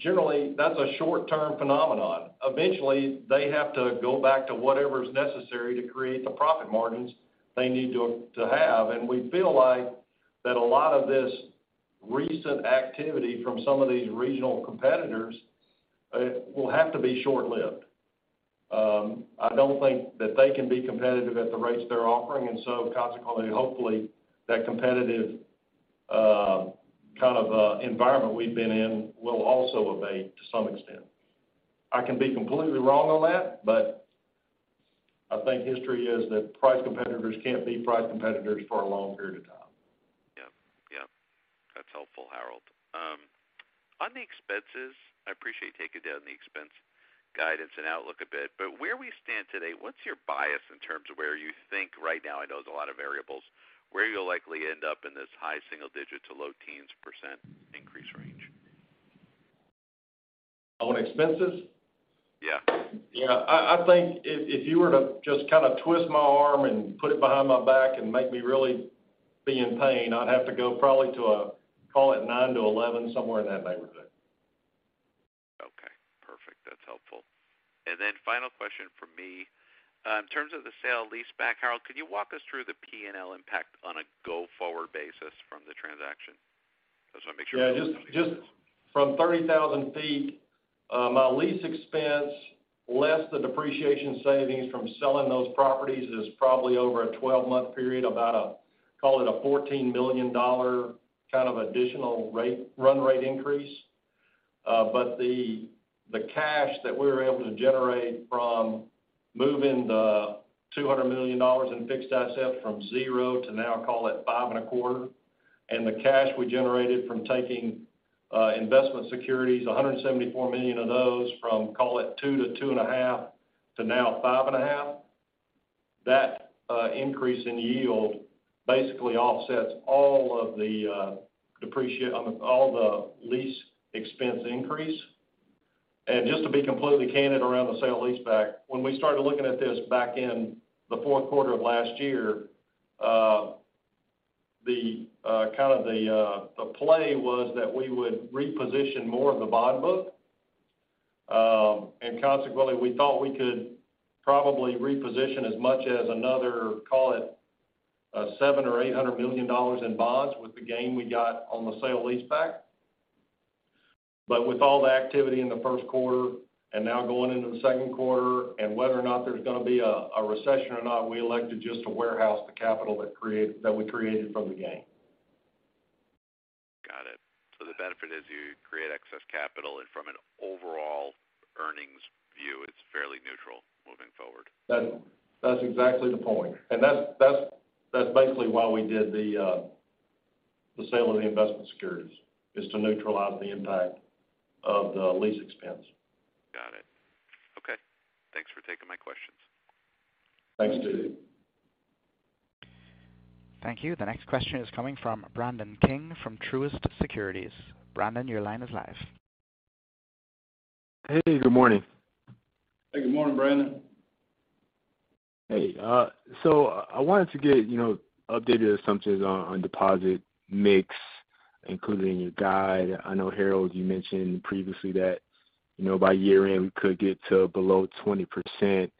generally, that's a short-term phenomenon. Eventually, they have to go back to whatever is necessary to create the profit margins they need to have. We feel like that a lot of this recent activity from some of these regional competitors will have to be short-lived. I don't think that they can be competitive at the rates they're offering, and so consequently, hopefully, that competitive kind of environment we've been in will also abate to some extent. I can be completely wrong on that, but I think history is that price competitors can't be price competitors for a long period of time. Yep. Yep. That's helpful, Harold. On the expenses, I appreciate you taking down the expense guidance and outlook a bit. Where we stand today, what's your bias in terms of where you think right now, I know there's a lot of variables, where you'll likely end up in this high single-digit to low teens % increase range? On expenses? Yeah. Yeah, I think if you were to just kind of twist my arm and put it behind my back and make me really be in pain, I'd have to go probably to a, call it 9 to 11, somewhere in that neighborhood. Okay, perfect. That's helpful. Final question from me. In terms of the sale-leaseback, Harold, can you walk us through the P&L impact on a go-forward basis from the transaction? I just want to make sure- Yeah, just from 30,000 feet, my lease expense, less the depreciation savings from selling those properties is probably over a 12-month period, about call it a $14 million kind of additional run rate increase. The cash that we were able to generate from moving the $200 million in fixed assets from 0 to now, call it 5.25, and the cash we generated from taking investment securities, $174 million of those from, call it 2-2.5 to now 5.5. That increase in yield basically offsets all of the lease expense increase. Just to be completely candid around the sale leaseback, when we started looking at this back in the fourth quarter of last year, the kind of the play was that we would reposition more of the bond book. Consequently, we thought we could probably reposition as much as another, call it, $700 million or $800 million in bonds with the gain we got on the sale leaseback. With all the activity in the first quarter and now going into the second quarter, and whether or not there's going to be a recession or not, we elected just to warehouse the capital that we created from the gain. Got it. The benefit is you create excess capital, and from an overall earnings view, it's fairly neutral moving forward? That's exactly the point. That's basically why we did the sale of the investment securities, is to neutralize the impact of the lease expense. Got it. Okay. Thanks for taking my questions. Thanks, David. Thank you. The next question is coming from Brandon King from Truist Securities. Brandon, your line is live. Hey, good morning. Hey, good morning, Brandon. Hey, I wanted to get, you know, updated assumptions on deposit mix, including your guide. I know, Harold, you mentioned previously that, you know, by year-end, we could get to below 20%.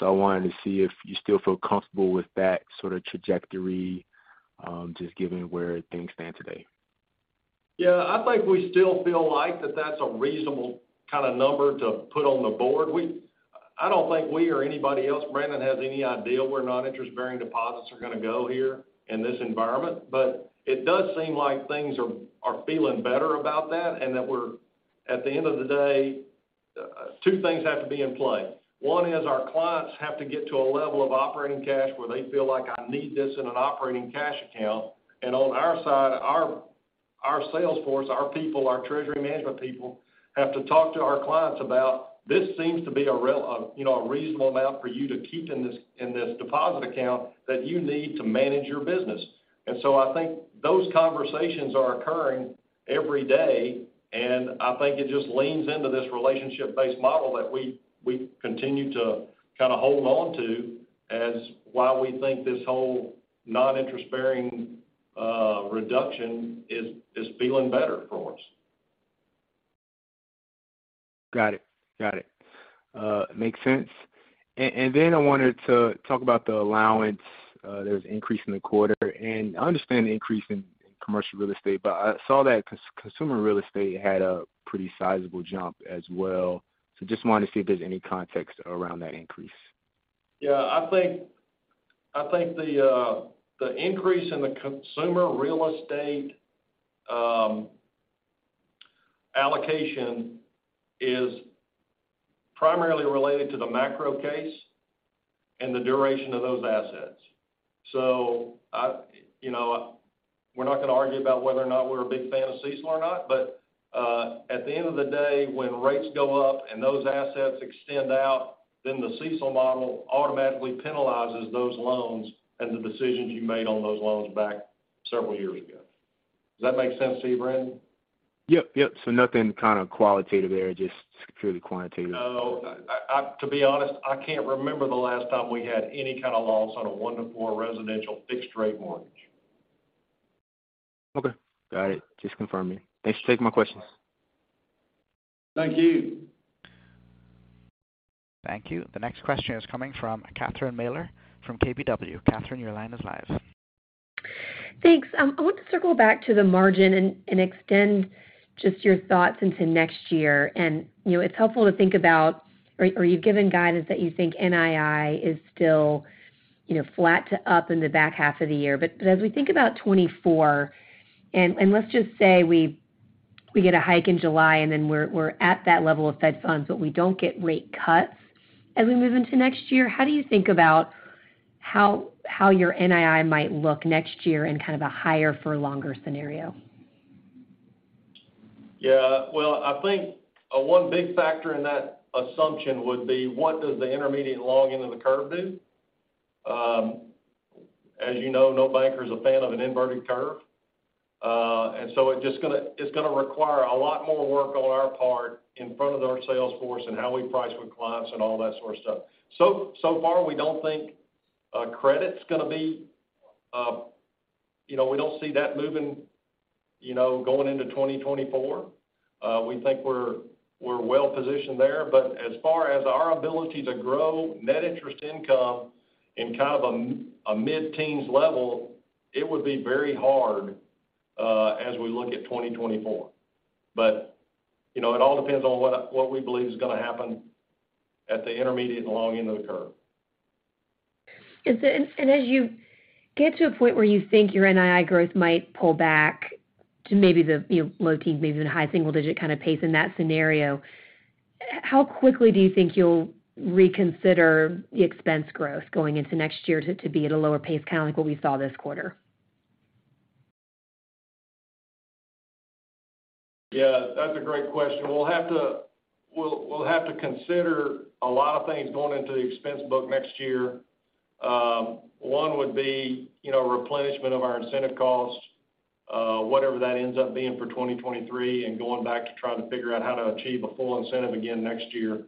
I wanted to see if you still feel comfortable with that sort of trajectory, just given where things stand today. Yeah, I think we still feel like that that's a reasonable kind of number to put on the board. I don't think we or anybody else, Brandon, has any idea where non-interest-bearing deposits are going to go here in this environment. It does seem like things are feeling better about that, and that At the end of the day, two things have to be in play. One is our clients have to get to a level of operating cash where they feel like, "I need this in an operating cash account." On our side, our sales force, our people, our treasury management people, have to talk to our clients about, "This seems to be a real, you know, a reasonable amount for you to keep in this, in this deposit account that you need to manage your business." I think those conversations are occurring every day, and I think it just leans into this relationship-based model that we continue to kind of hold on to, as why we think this whole non-interest-bearing reduction is feeling better for us. Got it. makes sense. I wanted to talk about the allowance. There was an increase in the quarter, and I understand the increase in commercial real estate, I saw that consumer real estate had a pretty sizable jump as well. Just wanted to see if there's any context around that increase. Yeah, I think the increase in the consumer real estate allocation is primarily related to the macro case and the duration of those assets. I, you know, we're not going to argue about whether or not we're a big fan of CECL or not, but at the end of the day, when rates go up and those assets extend out, then the CECL model automatically penalizes those loans and the decisions you made on those loans back several years ago. Does that make sense to you, Brandon? Yep. Nothing kind of qualitative there, just purely quantitative? No, I, to be honest, I can't remember the last time we had any kind of loss on a 1-4 residential fixed-rate mortgage. Okay. Got it. Just confirming. Thanks for taking my questions. Thank you. Thank you. The next question is coming from Catherine Mealor from KBW. Catherine, your line is live. Thanks. I want to circle back to the margin and extend just your thoughts into next year. You know, it's helpful to think about, or you've given guidance that you think NII is still, you know, flat to up in the back half of the year. As we think about 2024, and let's just say we get a hike in July, and then we're at that level of Fed funds, but we don't get rate cuts as we move into next year, how do you think about how your NII might look next year in kind of a higher for longer scenario? Yeah, well, I think one big factor in that assumption would be, what does the intermediate long end of the curve do? As you know, no banker is a fan of an inverted curve. It's going to require a lot more work on our part in front of our sales force and how we price with clients and all that sort of stuff. So far, we don't think credit's going to be, you know, we don't see that moving, you know, going into 2024. We think we're well positioned there. As far as our ability to grow net interest income in kind of a mid-teens level, it would be very hard as we look at 2024. You know, it all depends on what we believe is going to happen at the intermediate and long end of the curve. As you get to a point where you think your NII growth might pull back to maybe the, you know, low teens, maybe even high single digit kind of pace in that scenario, how quickly do you think you'll reconsider the expense growth going into next year to be at a lower pace, kind of like what we saw this quarter? Yeah, that's a great question. We'll have to, we'll have to consider a lot of things going into the expense book next year. One would be, you know, replenishment of our incentive costs, whatever that ends up being for 2023, and going back to trying to figure out how to achieve a full incentive again next year.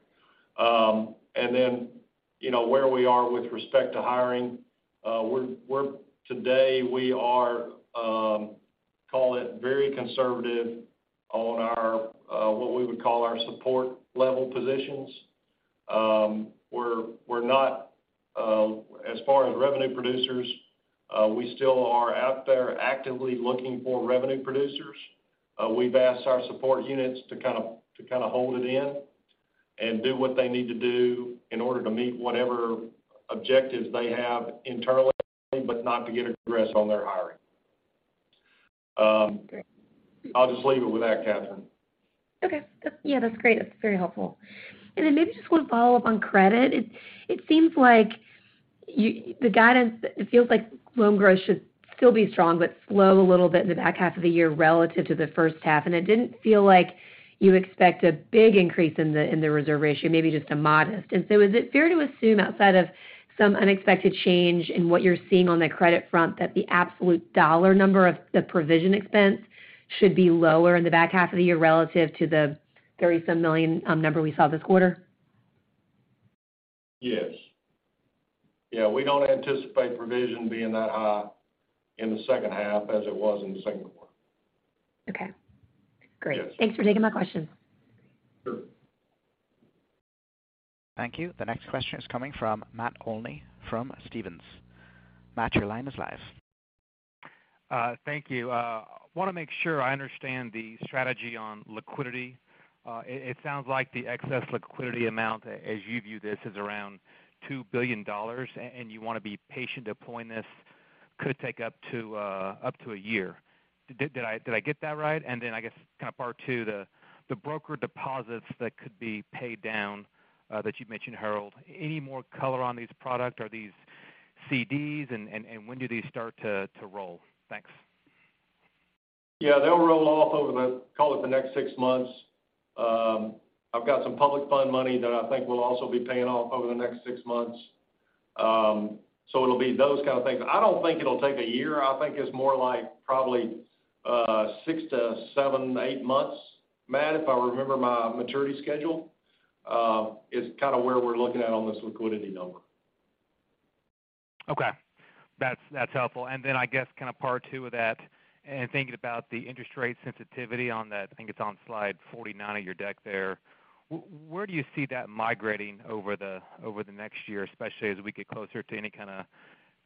You know, where we are with respect to hiring, today, we are, call it very conservative on our, what we would call our support level positions. We're not, as far as revenue producers, we still are out there actively looking for revenue producers. We've asked our support units to kind of hold it in and do what they need to do in order to meet whatever objectives they have internally, but not to get aggressive on their hiring. I'll just leave it with that, Catherine. Okay. Yeah, that's great. That's very helpful. Maybe just one follow-up on credit. It seems like the guidance, it feels like loan growth should still be strong, but slow a little bit in the back half of the year relative to the first half. It didn't feel like you expect a big increase in the reserve ratio, maybe just a modest. Is it fair to assume, outside of some unexpected change in what you're seeing on the credit front, that the absolute dollar number of the provision expense should be lower in the back half of the year relative to the $30-some million number we saw this quarter? Yes. Yeah, we don't anticipate provision being that high in the second half as it was in the second quarter. Okay, great. Yes. Thanks for taking my questions. Sure. Thank you. The next question is coming from Matt Olney from Stephens. Matt, your line is live. Thank you. Want to make sure I understand the strategy on liquidity. It sounds like the excess liquidity amount, as you view this, is around $2 billion, and you want to be patient deploying this, could take up to a year. Did I get that right? I guess kind of part two, the broker deposits that could be paid down, that you mentioned, Harold, any more color on these products? Are these CDs, and when do these start to roll? Thanks. They'll roll off over the, call it the next 6 months. I've got some public fund money that I think will also be paying off over the next 6 months. It'll be those kind of things. I don't think it'll take 1 year. I think it's more like probably, 6-7, 8 months, Matt, if I remember my maturity schedule, is kind of where we're looking at on this liquidity number. Okay. That's helpful. Then I guess kind of part two of that, and thinking about the interest rate sensitivity on that, I think it's on slide 49 of your deck there. where do you see that migrating over the next year, especially as we get closer to any kind of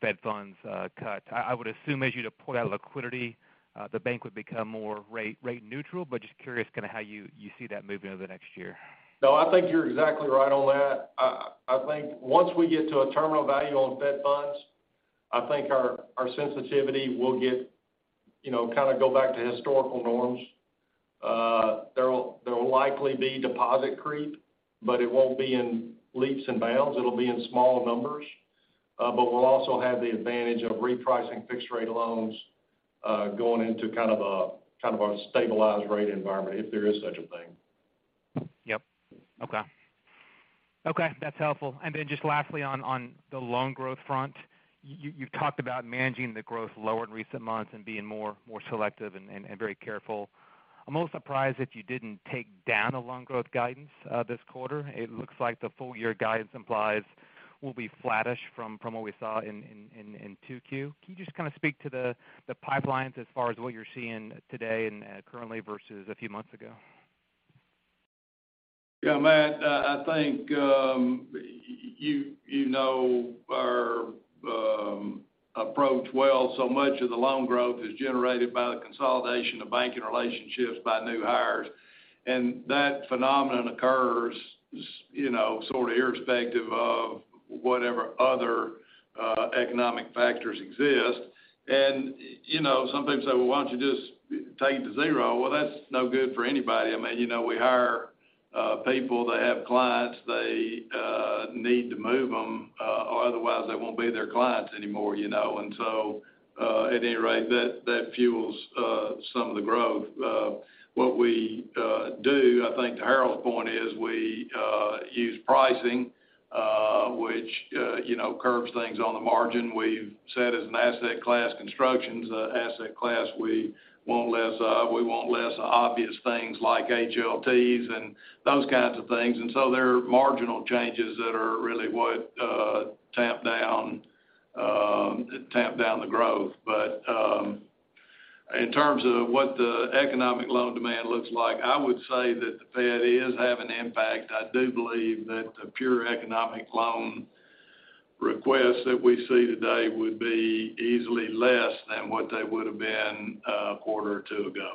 Fed Funds cut? I would assume as you deploy that liquidity, the bank would become more rate neutral, but just curious kind of how you see that moving over the next year. No, I think you're exactly right on that. I think once we get to a terminal value on Fed Funds, I think our sensitivity will get, you know, kind of go back to historical norms. There will likely be deposit creep, but it won't be in leaps and bounds. It'll be in smaller numbers. We'll also have the advantage of repricing fixed-rate loans, going into kind of a stabilized rate environment, if there is such a thing. Yep. Okay, that's helpful. Just lastly, on the loan growth front, you talked about managing the growth lower in recent months and being more selective and very careful. I'm almost surprised that you didn't take down the loan growth guidance this quarter. It looks like the full-year guidance implies will be flattish from what we saw in 2Q. Can you just kind of speak to the pipelines as far as what you're seeing today and currently versus a few months ago? Yeah, Matt, I think, you know our approach well. So much of the loan growth is generated by the consolidation of banking relationships by new hires. That phenomenon occurs, you know, sort of irrespective of whatever other economic factors exist. You know, some people say, "Well, why don't you just take it to zero?" Well, that's no good for anybody. I mean, you know, we hire people, they have clients, they need to move them, otherwise they won't be their clients anymore, you know? At any rate, that fuels some of the growth. What we do, I think to Harold's point, is we use pricing, which, you know, curves things on the margin. We've said as an asset class, construction's an asset class we want less of. We want less obvious things like HLTs and those kinds of things. There are marginal changes that are really what tamp down the growth. In terms of what the economic loan demand looks like, I would say that the Fed is having an impact. I do believe that the pure economic loan requests that we see today would be easily less than what they would have been a quarter or two ago.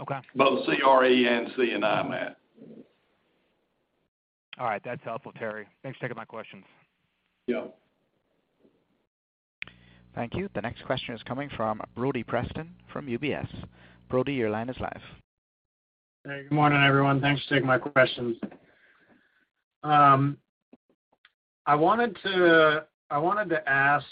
Okay. Both CRE and C&I, Matt. All right, that's helpful, Terry. Thanks for taking my questions. Yep. Thank you. The next question is coming from Brody Preston from UBS. Brody, your line is live. Hey, good morning, everyone. Thanks for taking my questions. I wanted to ask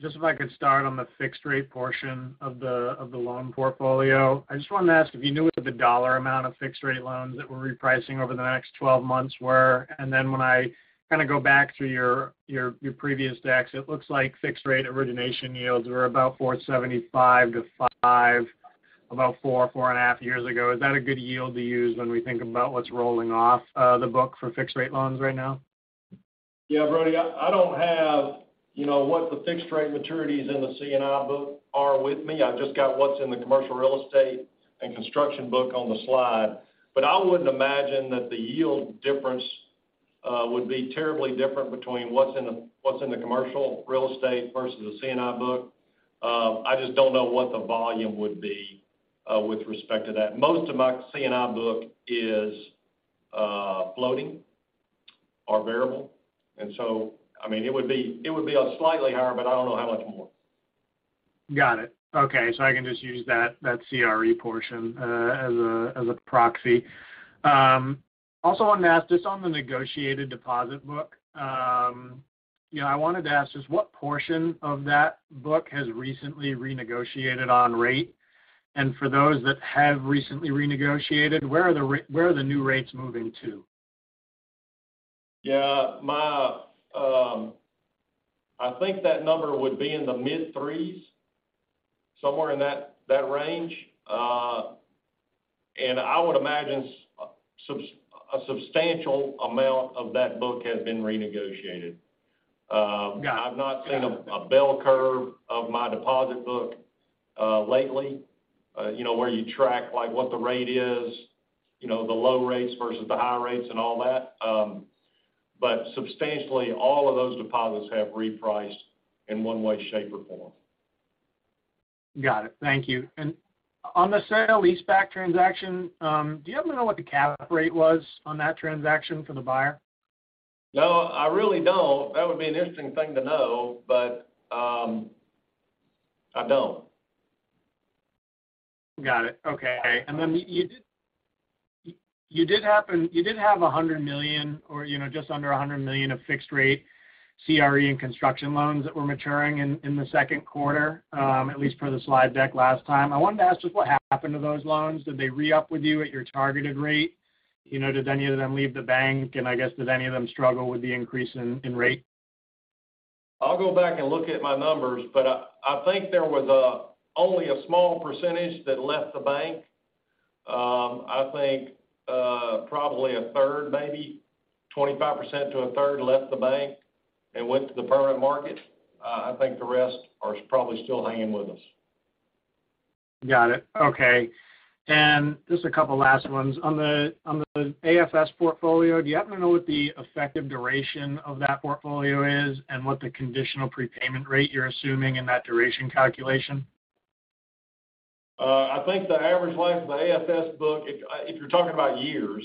just if I could start on the fixed-rate portion of the loan portfolio. I just wanted to ask if you knew what the dollar amount of fixed-rate loans that were repricing over the next 12 months were. When I kind of go back through your previous decks, it looks like fixed-rate origination yields were about 4.75% to 5%, about four and a half years ago. Is that a good yield to use when we think about what's rolling off the book for fixed-rate loans right now? Yeah, Brody, I don't have, you know, what the fixed-rate maturities in the C&I book are with me. I've just got what's in the commercial real estate and construction book on the slide. I wouldn't imagine that the yield difference would be terribly different between what's in, what's in the commercial real estate versus the C&I book. I just don't know what the volume would be with respect to that. Most of my C&I book is floating or variable, and so, I mean, it would be a slightly higher, but I don't know how much more. Got it. Okay, I can just use that CRE portion, as a proxy. Also wanted to ask, just on the negotiated deposit book, you know, I wanted to ask, just what portion of that book has recently renegotiated on rate? For those that have recently renegotiated, where are the new rates moving to? Yeah, my, I think that number would be in the mid-3s, somewhere in that range. I would imagine a substantial amount of that book has been renegotiated. Got it. I've not seen a bell curve of my deposit book, lately, you know, where you track, like, what the rate is, you know, the low rates versus the high rates and all that. Substantially, all of those deposits have repriced in one way, shape, or form. Got it. Thank you. On the sale leaseback transaction, do you happen to know what the cap rate was on that transaction for the buyer? No, I really don't. That would be an interesting thing to know, but, I don't. Got it. Okay. Then you did have $100 million, or, you know, just under $100 million of fixed rate CRE and construction loans that were maturing in the second quarter, at least per the slide deck last time. I wanted to ask, just what happened to those loans? Did they re-up with you at your targeted rate? You know, did any of them leave the bank? I guess, did any of them struggle with the increase in rate? I'll go back and look at my numbers, I think there was only a small percentage that left the bank. I think probably a third, maybe 25% to a third left the bank and went to the private market. I think the rest are probably still hanging with us. Got it. Okay. just a couple last ones. On the AFS portfolio, do you happen to know what the effective duration of that portfolio is, and what the conditional prepayment rate you're assuming in that duration calculation? I think the average life of the AFS book, if you're talking about years,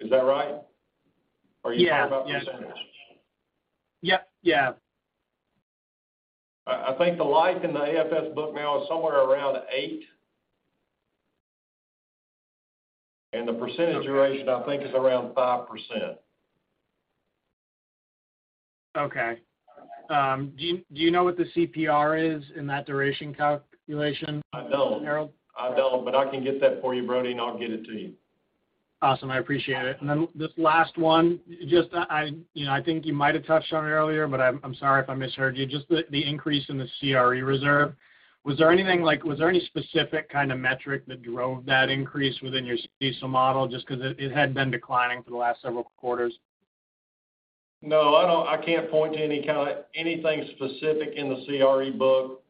is that right? Yeah. Are you talking about %? Yep. Yeah. I think the life in the AFS book now is somewhere around 8, and the percentage duration, I think, is around 5%. Do you know what the CPR is in that duration calculation? I don't. Harold? I don't, but I can get that for you, Brody, and I'll get it to you. Awesome. I appreciate it. This last one, just I, you know, I think you might have touched on it earlier, but I'm sorry if I misheard you. Just the increase in the CRE reserve. Was there any specific kind of metric that drove that increase within your CECL model, just because it had been declining for the last several quarters? No, I can't point to any kind of anything specific in the CRE book.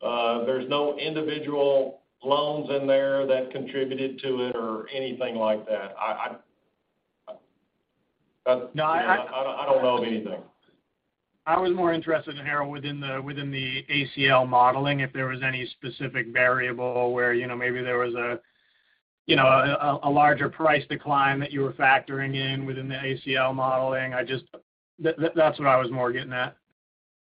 There's no individual loans in there that contributed to it or anything like that. No, I. I don't know of anything. I was more interested in, Harold, within the ACL modeling, if there was any specific variable where, you know, maybe there was a larger price decline that you were factoring in within the ACL modeling. That's what I was more getting at.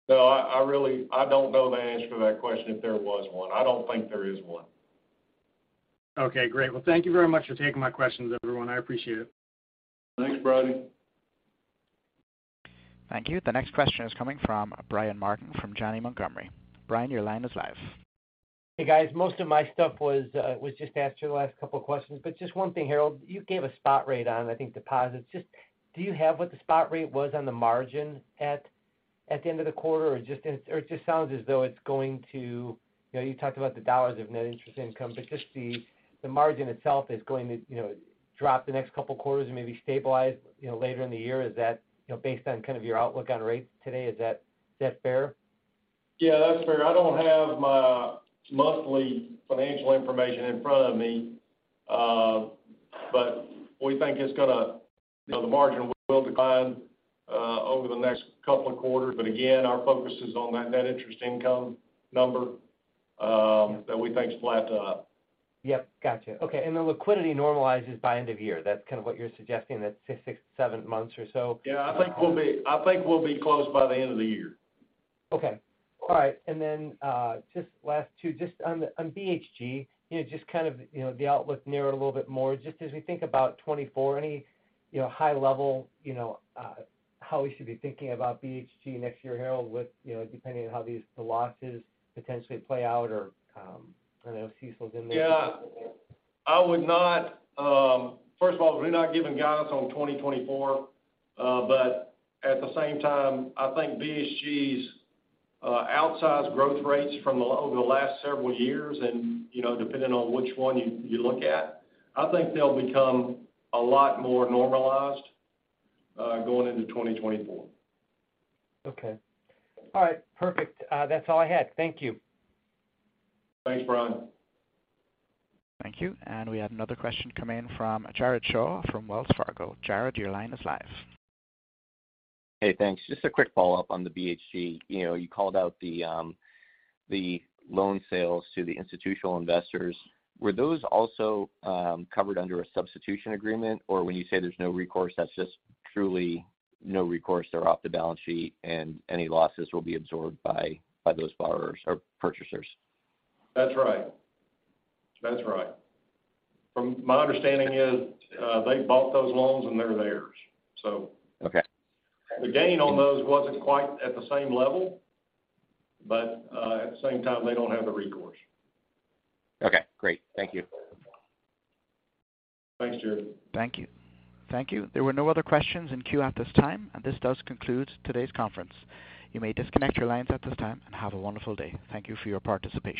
No, I don't know the answer to that question, if there was one. I don't think there is one. Okay, great. Thank you very much for taking my questions, everyone. I appreciate it. Thanks, Brody. Thank you. The next question is coming from Brian Martin, from Janney Montgomery. Brian, your line is live. Hey, guys. Most of my stuff was just asked your last couple of questions, but just one thing, Harold, you gave a spot rate on, I think, deposits. Just, do you have what the spot rate was on the margin at the end of the quarter? Or just, and, or it just sounds as though it's going to. You know, you talked about the dollars of net interest income, but just the margin itself is going to, you know, drop the next couple of quarters and maybe stabilize, you know, later in the year. Is that, you know, based on kind of your outlook on rates today, is that fair? Yeah, that's fair. I don't have my monthly financial information in front of me, but we think it's gonna, you know, the margin will decline over the next couple of quarters. Again, our focus is on that net interest income number that we think is flat to up. Yep. Gotcha. Okay. The liquidity normalizes by end of year. That's kind of what you're suggesting, that six, seven months or so? Yeah, I think we'll be closed by the end of the year. Okay. All right, and then, just last two, just on the BHG, you know, just kind of, you know, the outlook narrowed a little bit more. Just as we think about 2024, any, you know, high level, you know, how we should be thinking about BHG next year, Harold, with, you know, depending on how these, the losses potentially play out or, I know CECL's in there? Yeah. I would not. First of all, we're not giving guidance on 2024. At the same time, I think BHG's outsized growth rates over the last several years and, you know, depending on which one you look at, I think they'll become a lot more normalized, going into 2024. Okay. All right, perfect. That's all I had. Thank you. Thanks, Brian. Thank you. We have another question come in from Jared Shaw from Wells Fargo. Jared, your line is live. Hey, thanks. Just a quick follow-up on the BHG. You know, you called out the loan sales to the institutional investors. Were those also covered under a substitution agreement? When you say there's no recourse, that's just truly no recourse, they're off the balance sheet, and any losses will be absorbed by those borrowers or purchasers? That's right. That's right. From my understanding is, they bought those loans, and they're theirs, so. Okay. The gain on those wasn't quite at the same level, but at the same time, they don't have the recourse. Okay, great. Thank you. Thanks, Jared. Thank you. Thank you. There were no other questions in queue at this time. This does conclude today's conference. You may disconnect your lines at this time. Have a wonderful day. Thank you for your participation.